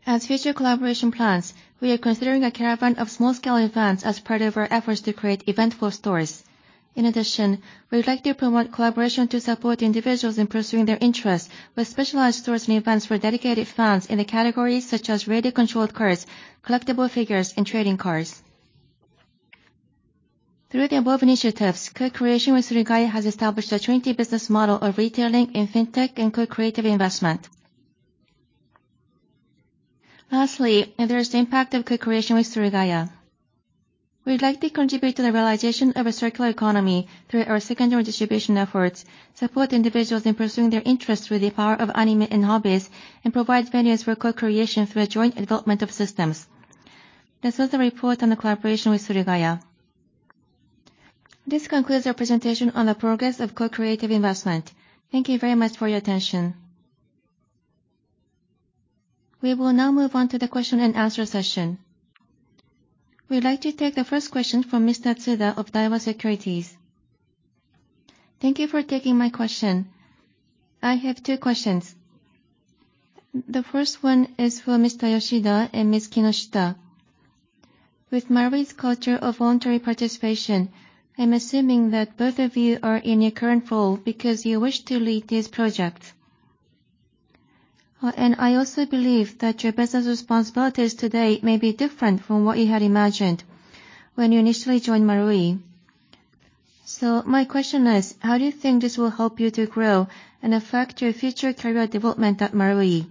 As future collaboration plans, we are considering a caravan of small scale events as part of our efforts to create eventful stores. In addition, we would like to promote collaboration to support individuals in pursuing their interests with specialized stores and events for dedicated fans in the categories such as radio controlled cars, collectible figures and trading cards. Through the above initiatives, co-creation with Surugaya has established a trinity business model of Retailing and FinTech and Co-Creative Investment. Lastly, there is the impact of co-creation with Surugaya. We would like to contribute to the realization of a circular economy through our secondary distribution efforts, support individuals in pursuing their interests through the power of anime and hobbies, and provide venues for co-creation through a joint development of systems. This was the report on the collaboration with Surugaya. This concludes our presentation on the progress of Co-Creative Investment. Thank you very much for your attention. We will now move on to the question and answer session. We would like to take the first question from Mr. Tsuda of Daiwa Securities. Thank you for taking my question. I have two questions. The first one is for Mr. Yoshida and Ms. Kinoshita. With Marui's culture of voluntary participation, I'm assuming that both of you are in your current role because you wish to lead these projects. I also believe that your business responsibilities today may be different from what you had imagined when you initially joined Marui. My question is, how do you think this will help you to grow and affect your future career development at Marui?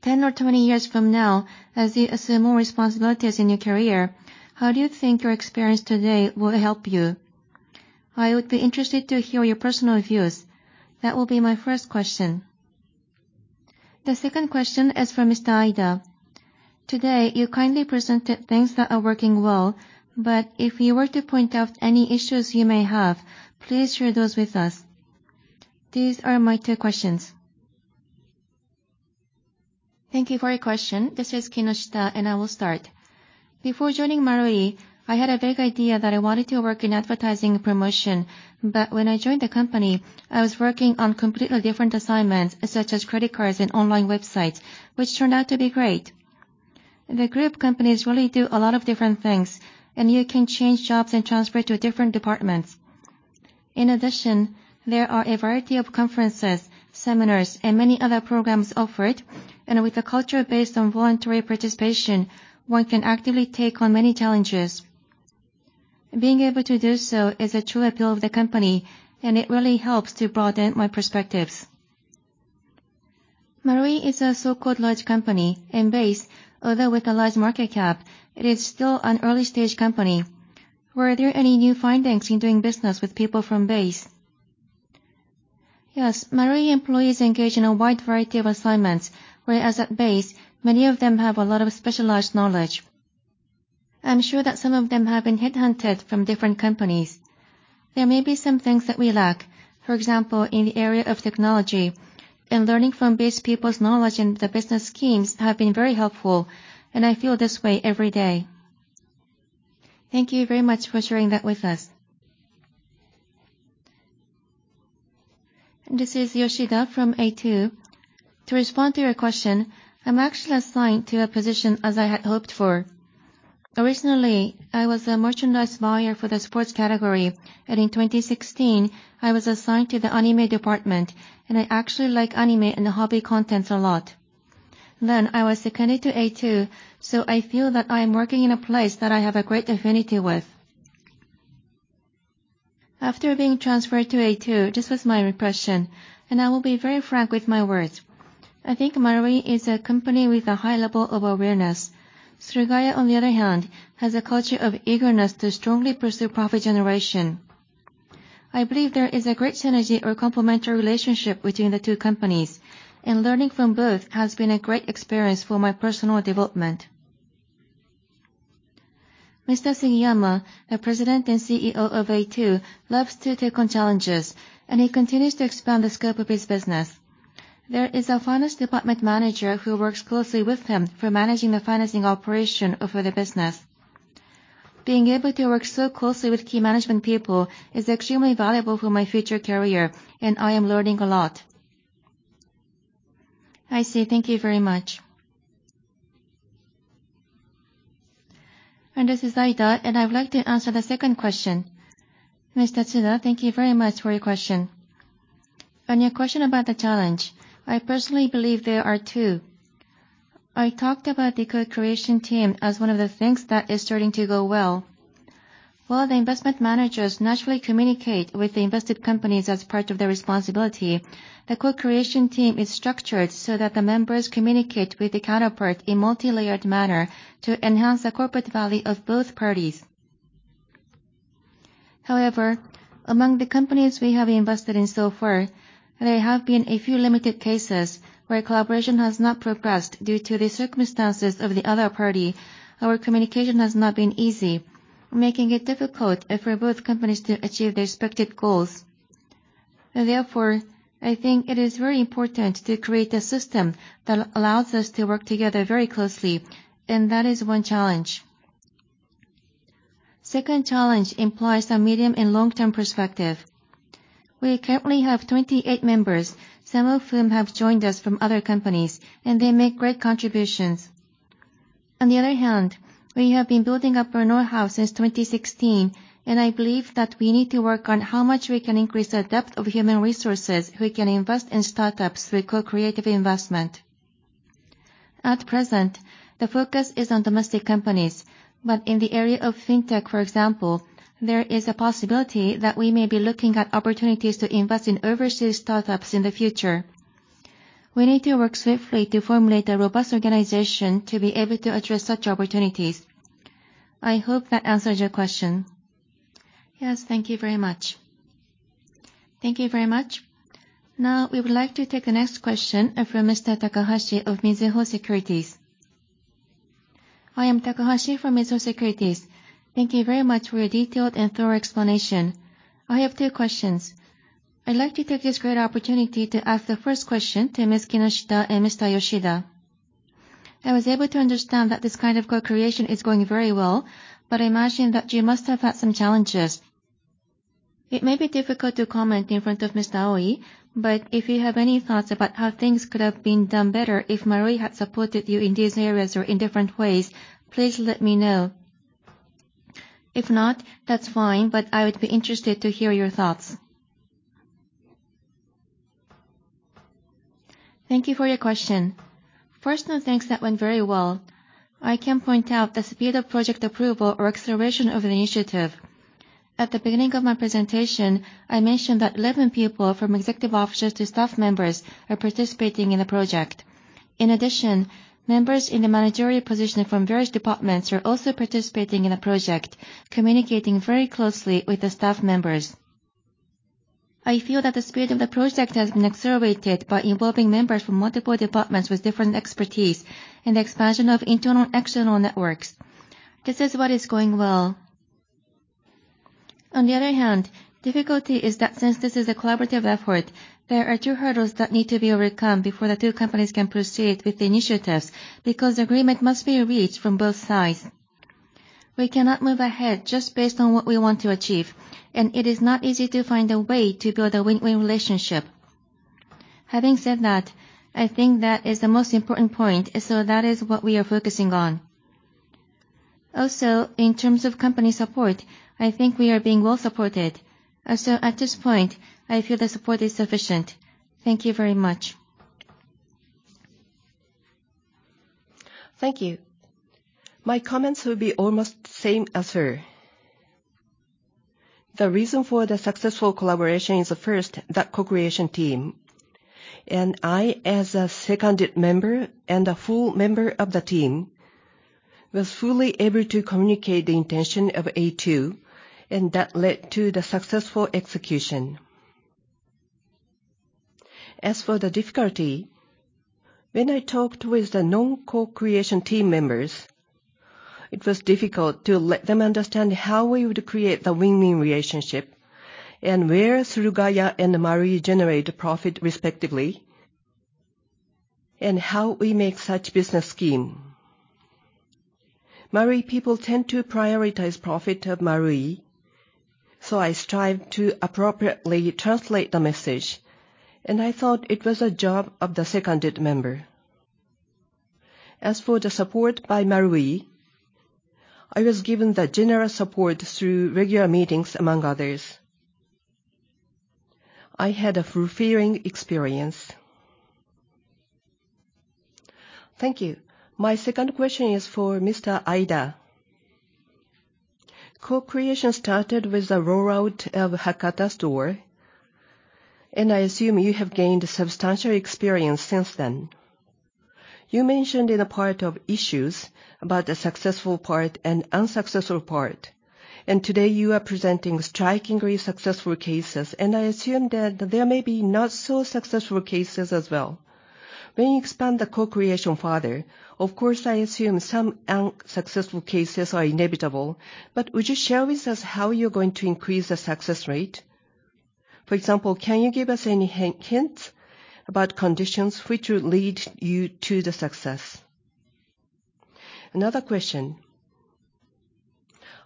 10 or 20 years from now, as you assume more responsibilities in your career, how do you think your experience today will help you? I would be interested to hear your personal views. That will be my first question. The second question is for Mr. Aida. Today you kindly presented things that are working well, but if you were to point out any issues you may have, please share those with us. These are my two questions. Thank you for your question. This is Kinoshita, and I will start. Before joining Marui, I had a vague idea that I wanted to work in advertising and promotion, but when I joined the company, I was working on completely different assignments such as credit cards and online websites, which turned out to be great. The group companies really do a lot of different things, and you can change jobs and transfer to different departments. In addition, there are a variety of conferences, seminars, and many other programs offered. With a culture based on voluntary participation, one can actively take on many challenges. Being able to do so is a true appeal of the company, and it really helps to broaden my perspectives. Marui is a so-called large company, and BASE, although with a large market cap, it is still an early stage company. Were there any new findings in doing business with people from BASE? Yes. Marui employees engage in a wide variety of assignments, whereas at BASE many of them have a lot of specialized knowledge. I'm sure that some of them have been headhunted from different companies. There may be some things that we lack. For example, in the area of technology and learning from BASE people's knowledge and the business schemes have been very helpful, and I feel this way every day. Thank you very much for sharing that with us. This is Yoshida from A2. To respond to your question, I'm actually assigned to a position as I had hoped for. Originally, I was a merchandise buyer for the sports category, and in 2016 I was assigned to the anime department, and I actually like anime and hobby contents a lot. I was seconded to A2, so I feel that I am working in a place that I have a great affinity with. After being transferred to A2, this was my impression, and I will be very frank with my words. I think Marui is a company with a high level of awareness. Surugaya, on the other hand, has a culture of eagerness to strongly pursue profit generation. I believe there is a great synergy or complementary relationship between the two companies, and learning from both has been a great experience for my personal development. Mr. Sugiyama, the President and CEO of A2, loves to take on challenges, and he continues to expand the scope of his business. There is a finance department manager who works closely with him for managing the financing operation over the business. Being able to work so closely with key management people is extremely valuable for my future career, and I am learning a lot. I see. Thank you very much. This is Aida, and I would like to answer the second question. Mr. Tsuda, thank you very much for your question. On your question about the challenge, I personally believe there are two. I talked about the Co-Creation team as one of the things that is starting to go well. While the investment managers naturally communicate with the invested companies as part of their responsibility, the Co-Creation team is structured so that the members communicate with the counterpart in multilayered manner to enhance the corporate value of both parties. However, among the companies we have invested in so far, there have been a few limited cases where collaboration has not progressed due to the circumstances of the other party. Our communication has not been easy, making it difficult for both companies to achieve their expected goals. Therefore, I think it is very important to create a system that allows us to work together very closely, and that is one challenge. Second challenge implies a medium and long-term perspective. We currently have 28 members, some of whom have joined us from other companies, and they make great contributions. On the other hand, we have been building up our know-how since 2016, and I believe that we need to work on how much we can increase the depth of human resources we can invest in startups through Co-Creative Investment. At present, the focus is on domestic companies, but in the area of FinTech, for example, there is a possibility that we may be looking at opportunities to invest in overseas startups in the future. We need to work swiftly to formulate a robust organization to be able to address such opportunities. I hope that answers your question. Yes. Thank you very much. Thank you very much. Now, we would like to take the next question from Mr. Takahashi of Mizuho Securities. I am Takahashi from Mizuho Securities. Thank you very much for your detailed and thorough explanation. I have two questions. I'd like to take this great opportunity to ask the first question to Ms. Kinoshita and Mr. Yoshida. I was able to understand that this kind of co-creation is going very well, but I imagine that you must have had some challenges. It may be difficult to comment in front of Mr. Aoi, but if you have any thoughts about how things could have been done better if Marui had supported you in these areas or in different ways, please let me know. If not, that's fine, but I would be interested to hear your thoughts. Thank you for your question. First, on things that went very well, I can point out the speed of project approval or acceleration of the initiative. At the beginning of my presentation, I mentioned that 11 people from executive officers to staff members are participating in the project. In addition, members in the managerial position from various departments are also participating in the project, communicating very closely with the staff members. I feel that the speed of the project has been accelerated by involving members from multiple departments with different expertise and the expansion of internal and external networks. This is what is going well. On the other hand, difficulty is that since this is a collaborative effort, there are two hurdles that need to be overcome before the two companies can proceed with the initiatives, because agreement must be reached from both sides. We cannot move ahead just based on what we want to achieve, and it is not easy to find a way to build a win-win relationship. Having said that, I think that is the most important point, so that is what we are focusing on. Also, in terms of company support, I think we are being well supported. At this point, I feel the support is sufficient. Thank you very much. Thank you. My comments will be almost same as her. The reason for the successful collaboration is, first, that Co-Creation team. I, as a seconded member and a full member of the team, was fully able to communicate the intention of A2, and that led to the successful execution. As for the difficulty, when I talked with the non-Co-Creation team members, it was difficult to let them understand how we would create the win-win relationship and where Surugaya and Marui generate profit respectively, and how we make such business scheme. Marui people tend to prioritize profit of Marui, so I strive to appropriately translate the message, and I thought it was a job of the seconded member. As for the support by Marui, I was given the generous support through regular meetings, among others. I had a fulfilling experience. Thank you. My second question is for Mr. Aida. Co-Creation started with the rollout of Hakata store, and I assume you have gained substantial experience since then. You mentioned in the part of issues about the successful part and unsuccessful part. Today you are presenting strikingly successful cases, and I assume that there may be not so successful cases as well. When you expand the co-creation further, of course I assume some unsuccessful cases are inevitable, but would you share with us how you're going to increase the success rate? For example, can you give us any hints about conditions which would lead you to the success? Another question.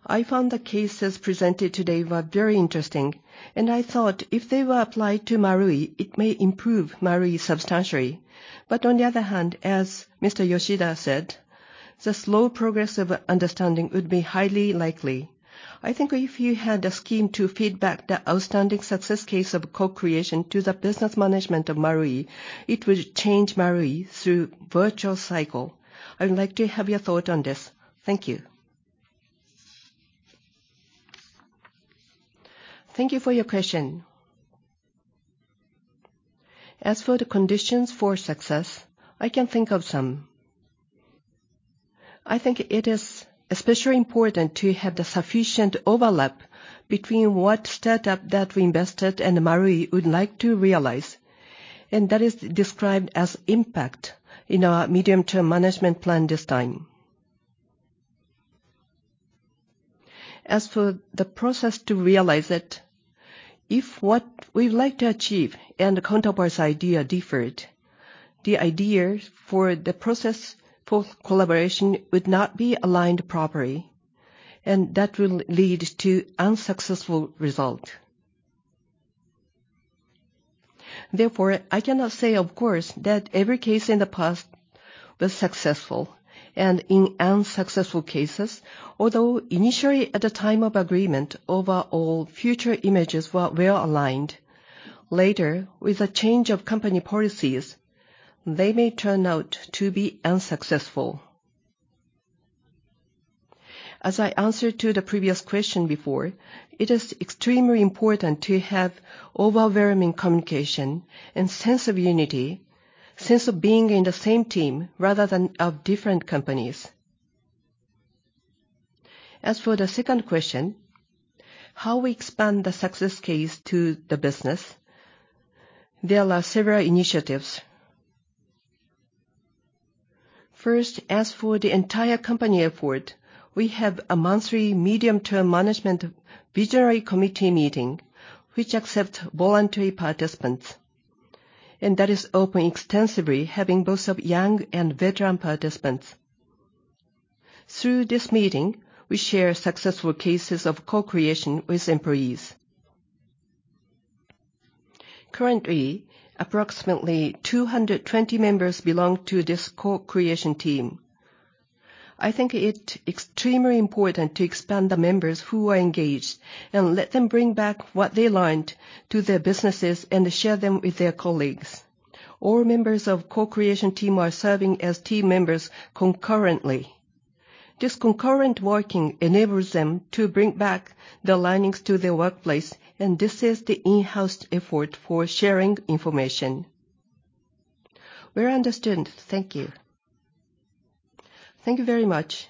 I found the cases presented today were very interesting, and I thought if they were applied to Marui, it may improve Marui substantially. On the other hand, as Mr. Yoshida said, the slow progress of understanding would be highly likely. I think if you had a scheme to feed back the outstanding success case of co-creation to the business management of Marui, it would change Marui through virtuous cycle. I would like to have your thought on this. Thank you. Thank you for your question. As for the conditions for success, I can think of some. I think it is especially important to have the sufficient overlap between what startup that we invested and Marui would like to realize, and that is described as impact in our medium-term management plan this time. As for the process to realize it, if what we'd like to achieve and the counterpart's idea differed, the ideas for the process for collaboration would not be aligned properly, and that will lead to unsuccessful result. Therefore, I cannot say, of course, that every case in the past was successful. In unsuccessful cases, although initially at the time of agreement overall future images were well aligned, later with a change of company policies, they may turn out to be unsuccessful. As I answered to the previous question before, it is extremely important to have overwhelming communication and sense of unity, sense of being in the same team rather than of different companies. As for the second question, how we expand the success case to the business, there are several initiatives. First, as for the entire company effort, we have a monthly Medium-Term Management Visionary Committee meeting which accepts voluntary participants, and that is open extensively having both of young and veteran participants. Through this meeting, we share successful cases of co-creation with employees. Currently, approximately 220 members belong to this Co-Creation team. I think it extremely important to expand the members who are engaged and let them bring back what they learned to their businesses and share them with their colleagues. All members of Co-Creation team are serving as team members concurrently. This concurrent working enables them to bring back the learnings to their workplace, and this is the in-house effort for sharing information. We understand. Thank you. Thank you very much.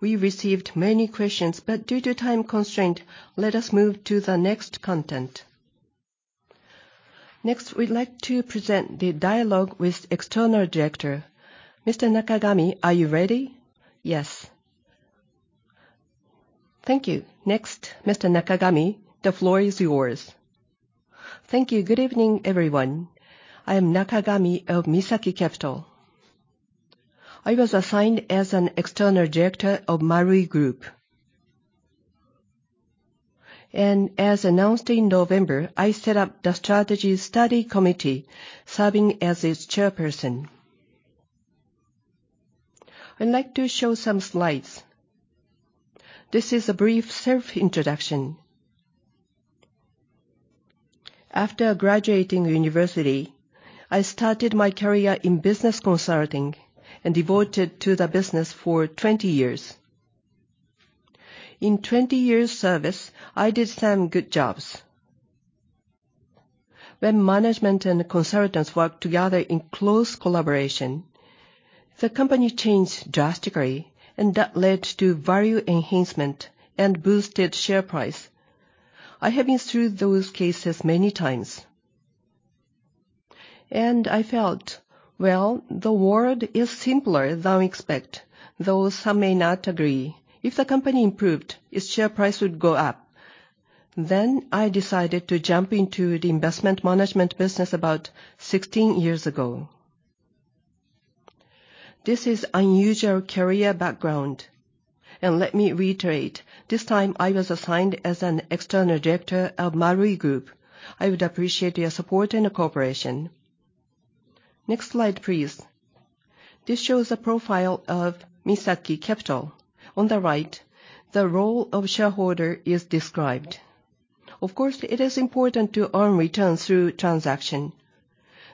We received many questions, but due to time constraint, let us move to the next content. Next, we'd like to present the dialogue with external director. Mr. Nakagami, are you ready? Yes. Thank you. Next, Mr. Nakagami, the floor is yours. Thank you. Good evening, everyone. I am Nakagami of Misaki Capital. I was assigned as an external director of MARUI GROUP. As announced in November, I set up the strategy study committee serving as its chairperson. I'd like to show some slides. This is a brief self-introduction. After graduating university, I started my career in business consulting and devoted to the business for 20 years. In 20 years service, I did some good jobs. When management and consultants worked together in close collaboration, the company changed drastically and that led to value enhancement and boosted share price. I have been through those cases many times. I felt, well, the world is simpler than we expect, though some may not agree. If the company improved, its share price would go up. I decided to jump into the investment management business about 16 years ago. This is unusual career background, and let me reiterate, this time I was assigned as an external director of MARUI GROUP. I would appreciate your support and cooperation. Next slide, please. This shows a profile of Misaki Capital. On the right, the role of shareholder is described. Of course, it is important to earn returns through transaction,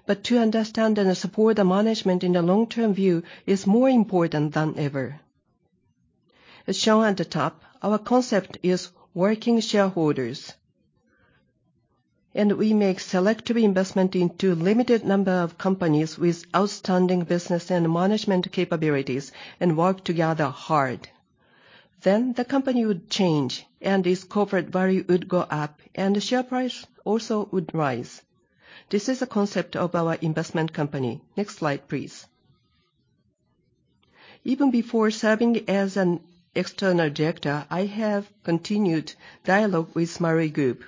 but to understand and support the management in the long-term view is more important than ever. As shown at the top, our concept is working shareholders. We make selective investment into limited number of companies with outstanding business and management capabilities and work together hard. Then the company would change, and its corporate value would go up, and the share price also would rise. This is a concept of our investment company. Next slide, please. Even before serving as an external director, I have continued dialogue with MARUI GROUP.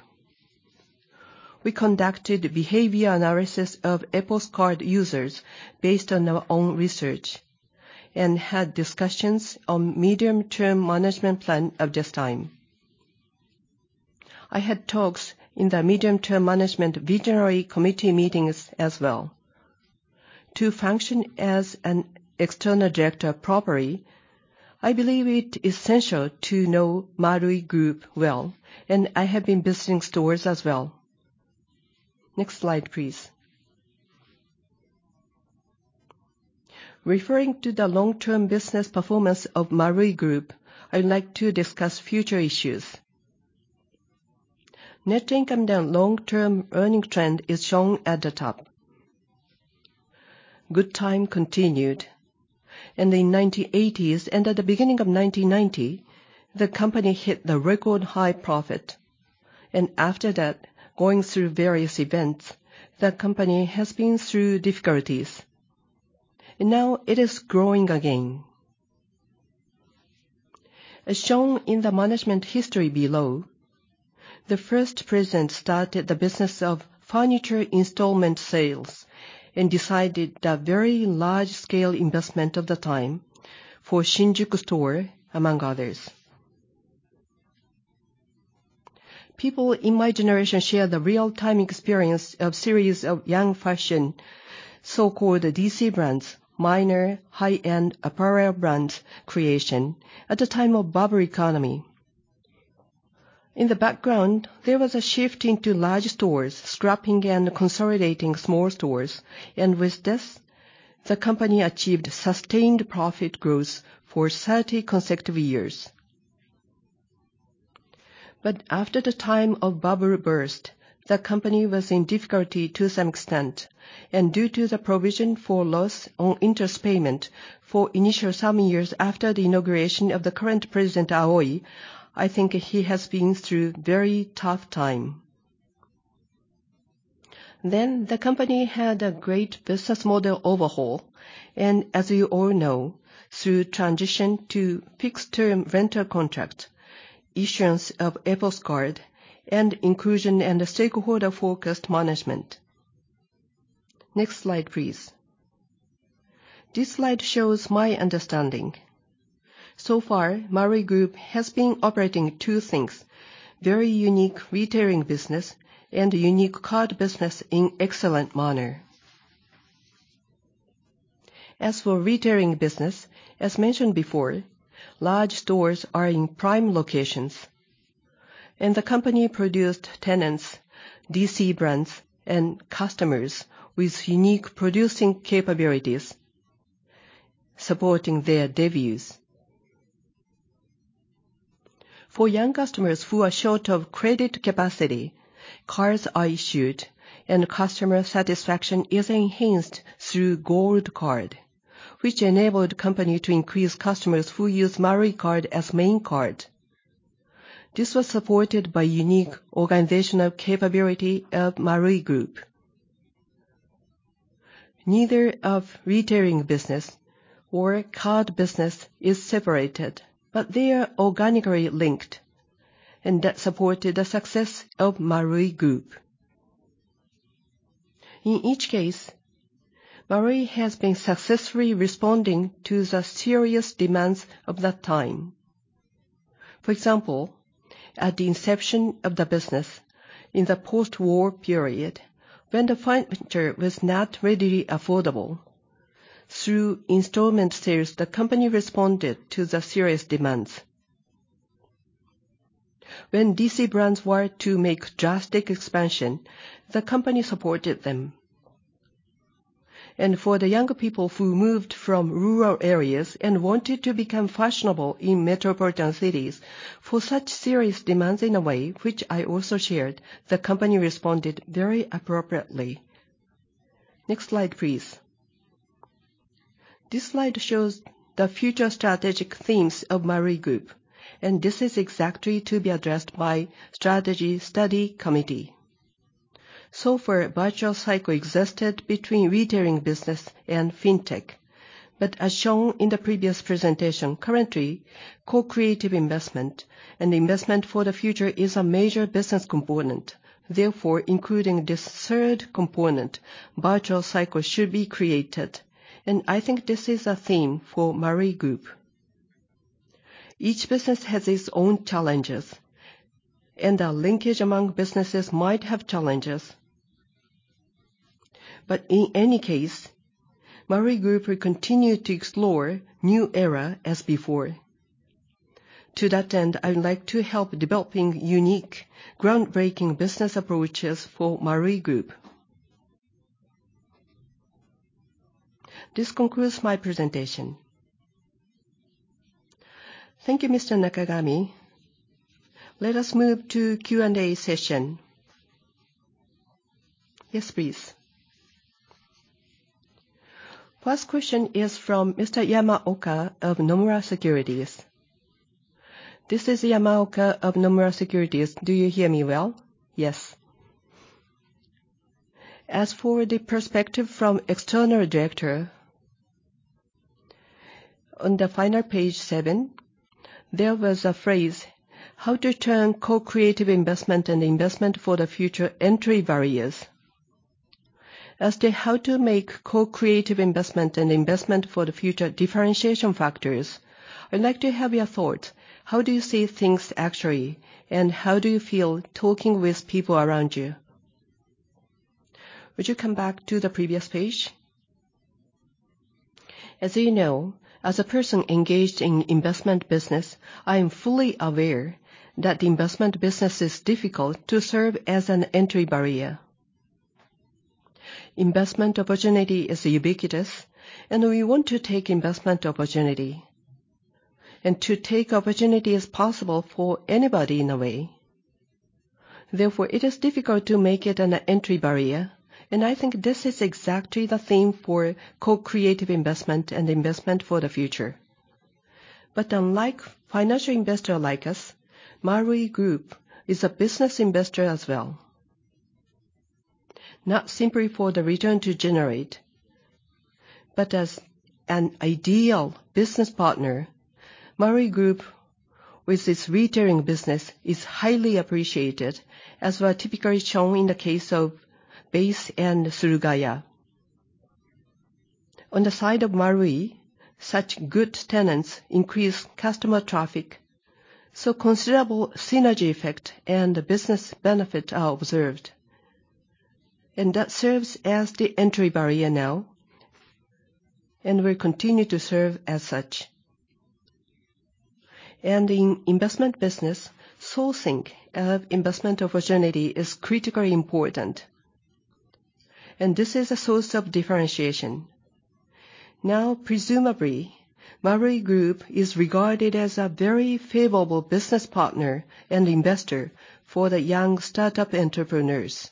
We conducted behavior analysis of EPOS Card users based on our own research and had discussions on medium-term management plan of this time. I had talks in the Medium-Term Management Visionary Committee meetings as well. To function as an external director properly, I believe it essential to know MARUI GROUP well, and I have been visiting stores as well. Next slide, please. Referring to the long-term business performance of MARUI GROUP, I would like to discuss future issues. Net income and long-term earning trend is shown at the top. Good time continued. In the 1980s and at the beginning of 1990, the company hit the record high profit. After that, going through various events, the company has been through difficulties. Now it is growing again. As shown in the management history below, the first president started the business of furniture installment sales and decided a very large-scale investment of the time for Shinjuku store, among others. People in my generation share the real-time experience of series of young fashion, so-called DC brands, minor high-end apparel brands creation at the time of bubble economy. In the background, there was a shift into large stores, scrapping and consolidating small stores. With this, the company achieved sustained profit growth for 30 consecutive years. After the time of bubble burst, the company was in difficulty to some extent. Due to the provision for loss on interest payment for initial some years after the inauguration of the current President Aoi, I think he has been through very tough time. The company had a great business model overhaul, and as you all know, through transition to fixed-term rental contract, issuance of EPOS Card, and inclusion and stakeholder-focused management. Next slide, please. This slide shows my understanding. So far, MARUI GROUP has been operating two things, very unique Retailing business and unique card business in excellent manner. As for Retailing business, as mentioned before, large stores are in prime locations. The company produced tenants, DC brands, and customers with unique producing capabilities supporting their debuts. For young customers who are short of credit capacity, cards are issued, and customer satisfaction is enhanced through Gold Card, which enabled company to increase customers who use Marui card as main card. This was supported by unique organizational capability of MARUI GROUP. Neither of Retailing business or card business is separated, but they are organically linked, and that supported the success of MARUI GROUP. In each case, Marui has been successfully responding to the serious demands of that time. For example, at the inception of the business in the post-war period, when the furniture was not readily affordable, through installment sales, the company responded to the serious demands. When DC brands were to make drastic expansion, the company supported them. For the younger people who moved from rural areas and wanted to become fashionable in metropolitan cities, for such serious demands in a way which I also shared, the company responded very appropriately. Next slide, please. This slide shows the future strategic themes of MARUI GROUP, and this is exactly to be addressed by strategy study committee. So far, virtuous cycle existed between Retailing business and FinTech. As shown in the previous presentation, currently, Co-Creative Investment and investment for the future is a major business component. Therefore, including this third component, virtuous cycle should be created. I think this is a theme for MARUI GROUP. Each business has its own challenges, and the linkage among businesses might have challenges. In any case, MARUI GROUP will continue to explore new era as before. To that end, I would like to help developing unique, groundbreaking business approaches for MARUI GROUP. This concludes my presentation. Thank you, Mr. Nakagami. Let us move to Q&A session. Yes, please. First question is from Mr. Yamaoka of Nomura Securities. This is Yamaoka of Nomura Securities. Do you hear me well? Yes. As for the perspective from external director, on the final page seven, there was a phrase, "How to turn Co-Creative Investment and investment for the future entry barriers." As to how to make Co-Creative Investment and investment for the future differentiation factors, I'd like to have your thoughts. How do you see things actually, and how do you feel talking with people around you? Would you come back to the previous page? As you know, as a person engaged in investment business, I am fully aware that the investment business is difficult to serve as an entry barrier. Investment opportunity is ubiquitous, and we want to take investment opportunity, and to take opportunity is possible for anybody in a way. Therefore, it is difficult to make it an entry barrier, and I think this is exactly the theme for Co-Creative Investment and investment for the future. Unlike financial investor like us, MARUI GROUP is a business investor as well. Not simply for the return to generate, but as an ideal business partner, MARUI GROUP with its Retailing business is highly appreciated, as is typically shown in the case of BASE and Surugaya. On the side of Marui, such good tenants increase customer traffic, so considerable synergy effect and the business benefit are observed. That serves as the entry barrier now, and will continue to serve as such. In investment business, sourcing of investment opportunity is critically important, and this is a source of differentiation. Now, presumably, MARUI GROUP is regarded as a very favorable business partner and investor for the young startup entrepreneurs.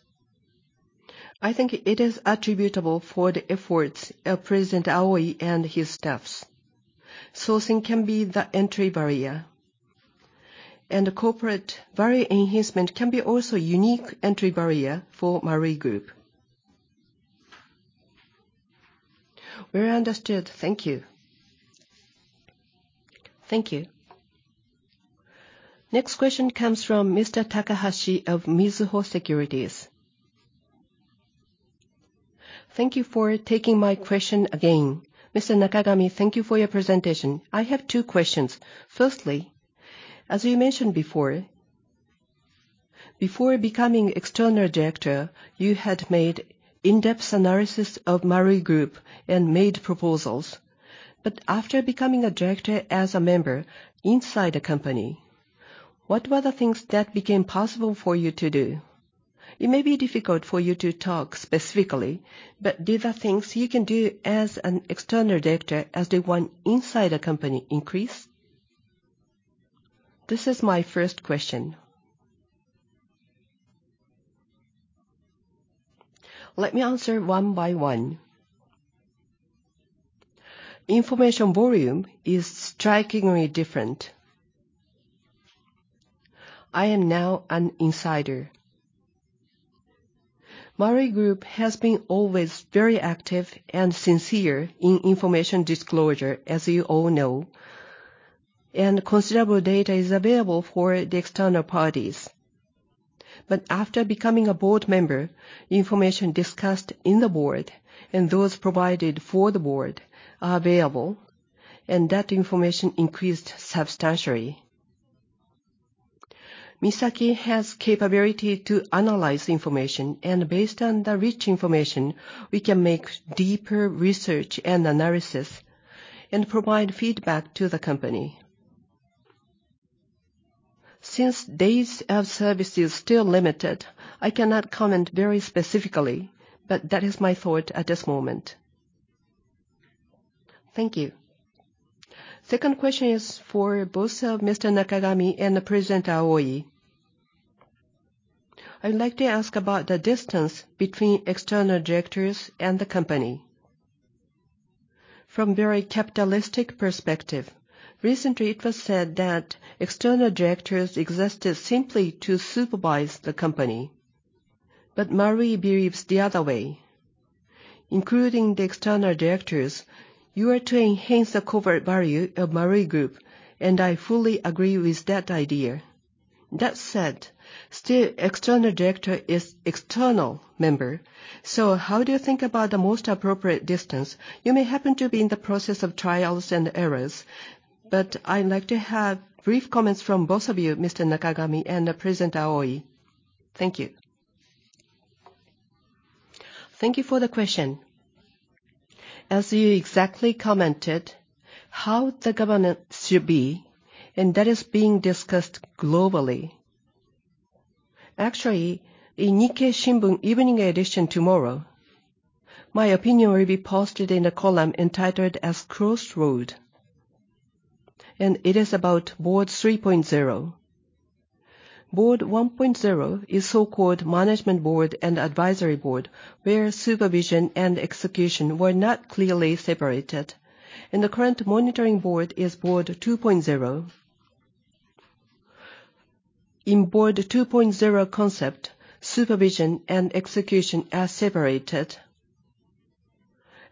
I think it is attributable for the efforts of President Aoi and his staffs. Sourcing can be the entry barrier. The corporate value enhancement can be also a unique entry barrier for MARUI GROUP. Very understood. Thank you. Thank you. Next question comes from Mr. Takahashi of Mizuho Securities. Thank you for taking my question again. Mr. Nakagami, thank you for your presentation. I have two questions. Firstly, as you mentioned before becoming external director, you had made in-depth analysis of MARUI GROUP and made proposals. But after becoming a director as a member inside the company, what were the things that became possible for you to do? It may be difficult for you to talk specifically, but did the things you can do as an external director as the one inside the company increase? This is my first question. Let me answer one by one. Information volume is strikingly different. I am now an insider. MARUI GROUP has been always very active and sincere in information disclosure, as you all know. Considerable data is available for the external parties. After becoming a Board member, information discussed in the board and those provided for the board are available, and that information increased substantially. Misaki Capital has capability to analyze information, and based on the rich information, we can make deeper research and analysis and provide feedback to the company. Since days of service is still limited, I cannot comment very specifically, but that is my thought at this moment. Thank you. Second question is for both Mr. Nakagami and President Aoi. I would like to ask about the distance between external directors and the company. From very capitalistic perspective, recently it was said that external directors existed simply to supervise the company. Marui believes the other way. Including the external directors, you are to enhance the corporate value of MARUI GROUP, and I fully agree with that idea. That said, still external director is external member. How do you think about the most appropriate distance? You may happen to be in the process of trials and errors, but I'd like to have brief comments from both of you, Mr. Nakagami and President Aoi. Thank you. Thank you for the question. As you exactly commented, how the governance should be, and that is being discussed globally. Actually, in Nikkei Shimbun evening edition tomorrow, my opinion will be posted in a column entitled as Crossroad, and it is about Board 3.0. Board 1.0 is so-called management board and advisory board, where supervision and execution were not clearly separated. The current monitoring board is Board 2.0. In Board 2.0 concept, supervision and execution are separated,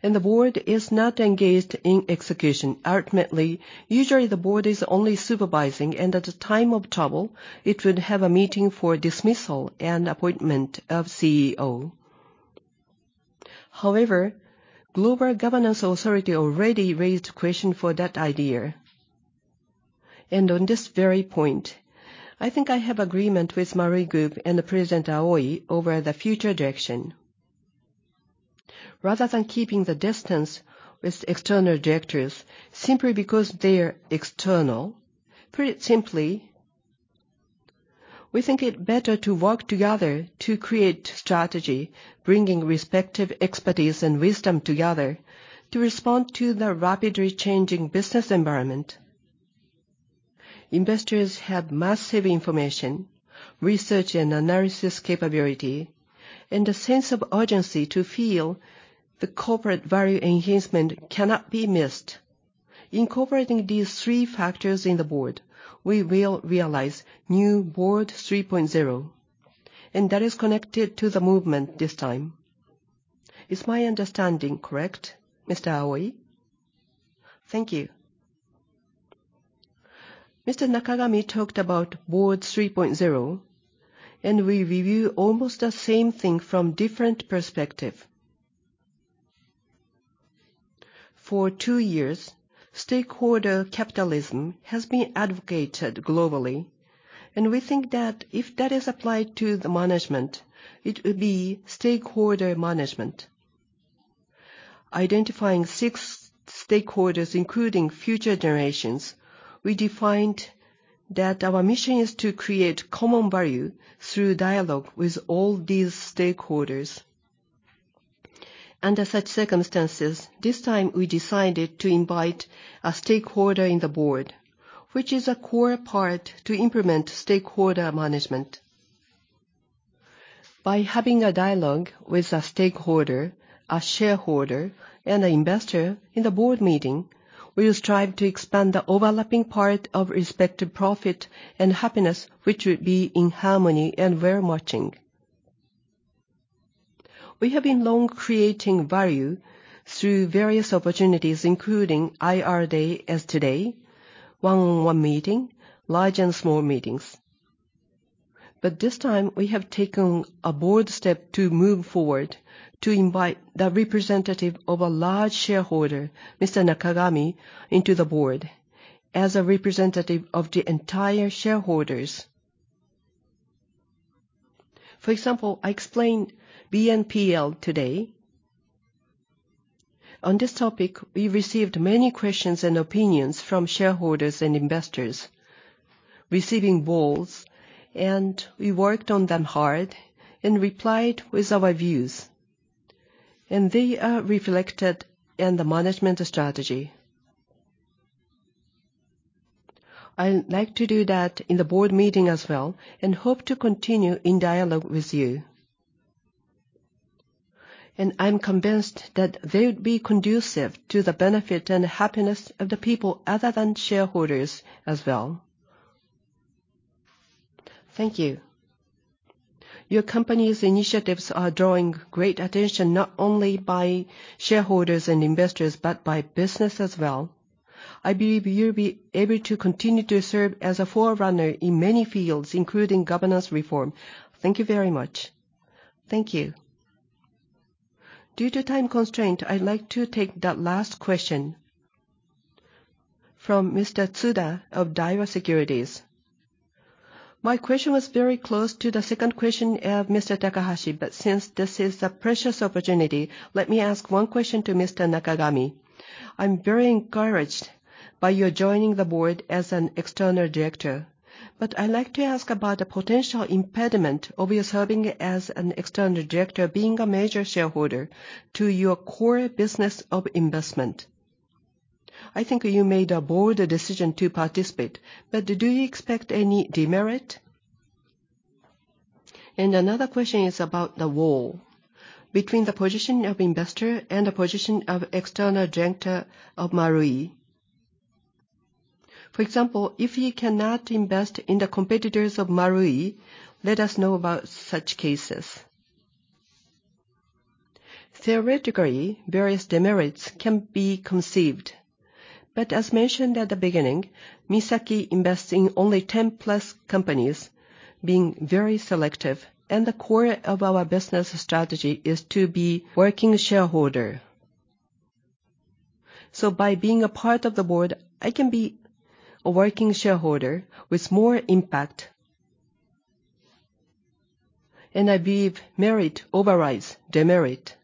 and the Board is not engaged in execution. Ultimately, usually, the Board is only supervising, and at the time of trouble, it would have a meeting for dismissal and appointment of CEO. However, global governance authority already raised question for that idea. On this very point, I think I have agreement with MARUI GROUP and the President Aoi over the future direction. Rather than keeping the distance with external directors simply because they are external, put it simply, we think it better to work together to create strategy, bringing respective expertise and wisdom together to respond to the rapidly changing business environment. Investors have massive information, research and analysis capability, and a sense of urgency to feel the corporate value enhancement cannot be missed. Incorporating these three factors in the board, we will realize new Board 3.0, and that is connected to the movement this time. Is my understanding correct, Mr. Aoi? Thank you. Mr. Nakagami talked about Board 3.0, and we review almost the same thing from different perspective. For two years, stakeholder capitalism has been advocated globally, and we think that if that is applied to the management, it would be stakeholder management. Identifying six stakeholders, including future generations, we defined that our mission is to create common value through dialogue with all these stakeholders. Under such circumstances, this time we decided to invite a stakeholder in the Board, which is a core part to implement stakeholder management. By having a dialogue with a stakeholder, a shareholder, and an investor in the Board Meeting, we will strive to expand the overlapping part of respective profit and happiness, which would be in harmony and well-matching. We have been long creating value through various opportunities including IR day as today, one-on-one meeting, large and small meetings. This time, we have taken a bold step to move forward to invite the representative of a large shareholder, Mr. Nakagami, into the Board as a representative of the entire shareholders. For example, I explained BNPL today. On this topic, we received many questions and opinions from shareholders and investors regarding those, and we worked on them hard and replied with our views, and they are reflected in the management strategy. I'd like to do that in the Board Meeting as well, and hope to continue in dialogue with you. I'm convinced that they would be conducive to the benefit and happiness of the people other than shareholders as well. Thank you. Your company's initiatives are drawing great attention, not only by shareholders and investors, but by business as well. I believe you'll be able to continue to serve as a forerunner in many fields, including governance reform. Thank you very much. Thank you. Due to time constraint, I'd like to take the last question from Mr. Tsuda of Daiwa Securities. My question was very close to the second question of Mr. Takahashi. Since this is a precious opportunity, let me ask one question to Mr. Nakagami. I'm very encouraged by your joining the Board as an external director. I'd like to ask about the potential impediment of your serving as an external director being a major shareholder to your core business of investment. I think you made a bold decision to participate, but do you expect any demerit? Another question is about the wall between the position of investor and the position of external director of Marui. For example, if you cannot invest in the competitors of Marui, let us know about such cases. Theoretically, various demerits can be conceived. As mentioned at the beginning, Misaki invests in only 10+ companies being very selective, and the core of our business strategy is to be working shareholder. By being a part of the Board, I can be a working shareholder with more impact. I believe merit overrides demerit.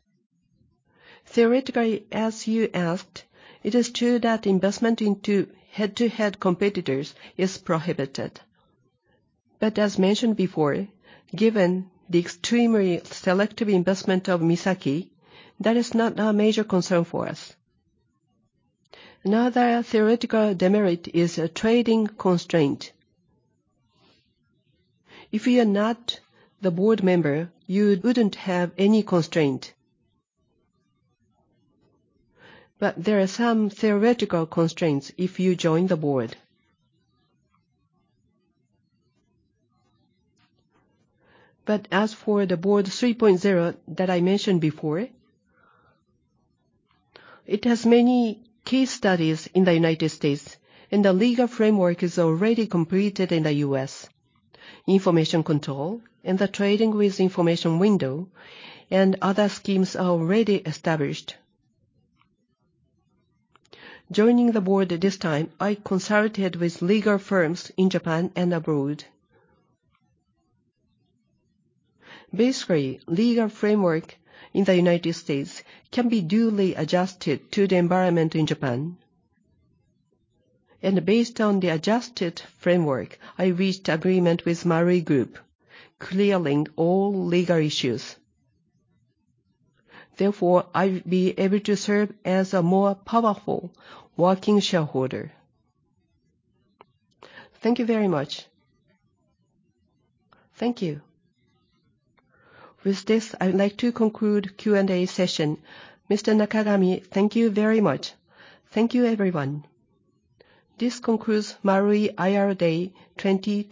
Theoretically, as you asked, it is true that investment into head-to-head competitors is prohibited. As mentioned before, given the extremely selective investment of Misaki, that is not a major concern for us. Another theoretical demerit is a trading constraint. If you are not the Board member, you wouldn't have any constraint. There are some theoretical constraints if you join the Board. As for the Board 3.0 that I mentioned before, it has many case studies in the United States, and the legal framework is already completed in the U.S. Information control and the trading with information window and other schemes are already established. Joining the Board at this time, I consulted with legal firms in Japan and abroad. Basically, legal framework in the United States can be duly adjusted to the environment in Japan. Based on the adjusted framework, I reached agreement with MARUI GROUP, clearing all legal issues. Therefore, I'll be able to serve as a more powerful working shareholder. Thank you very much. Thank you. With this, I'd like to conclude Q&A session. Mr. Nakagami, thank you very much. Thank you, everyone. This concludes Marui IR Day 2023.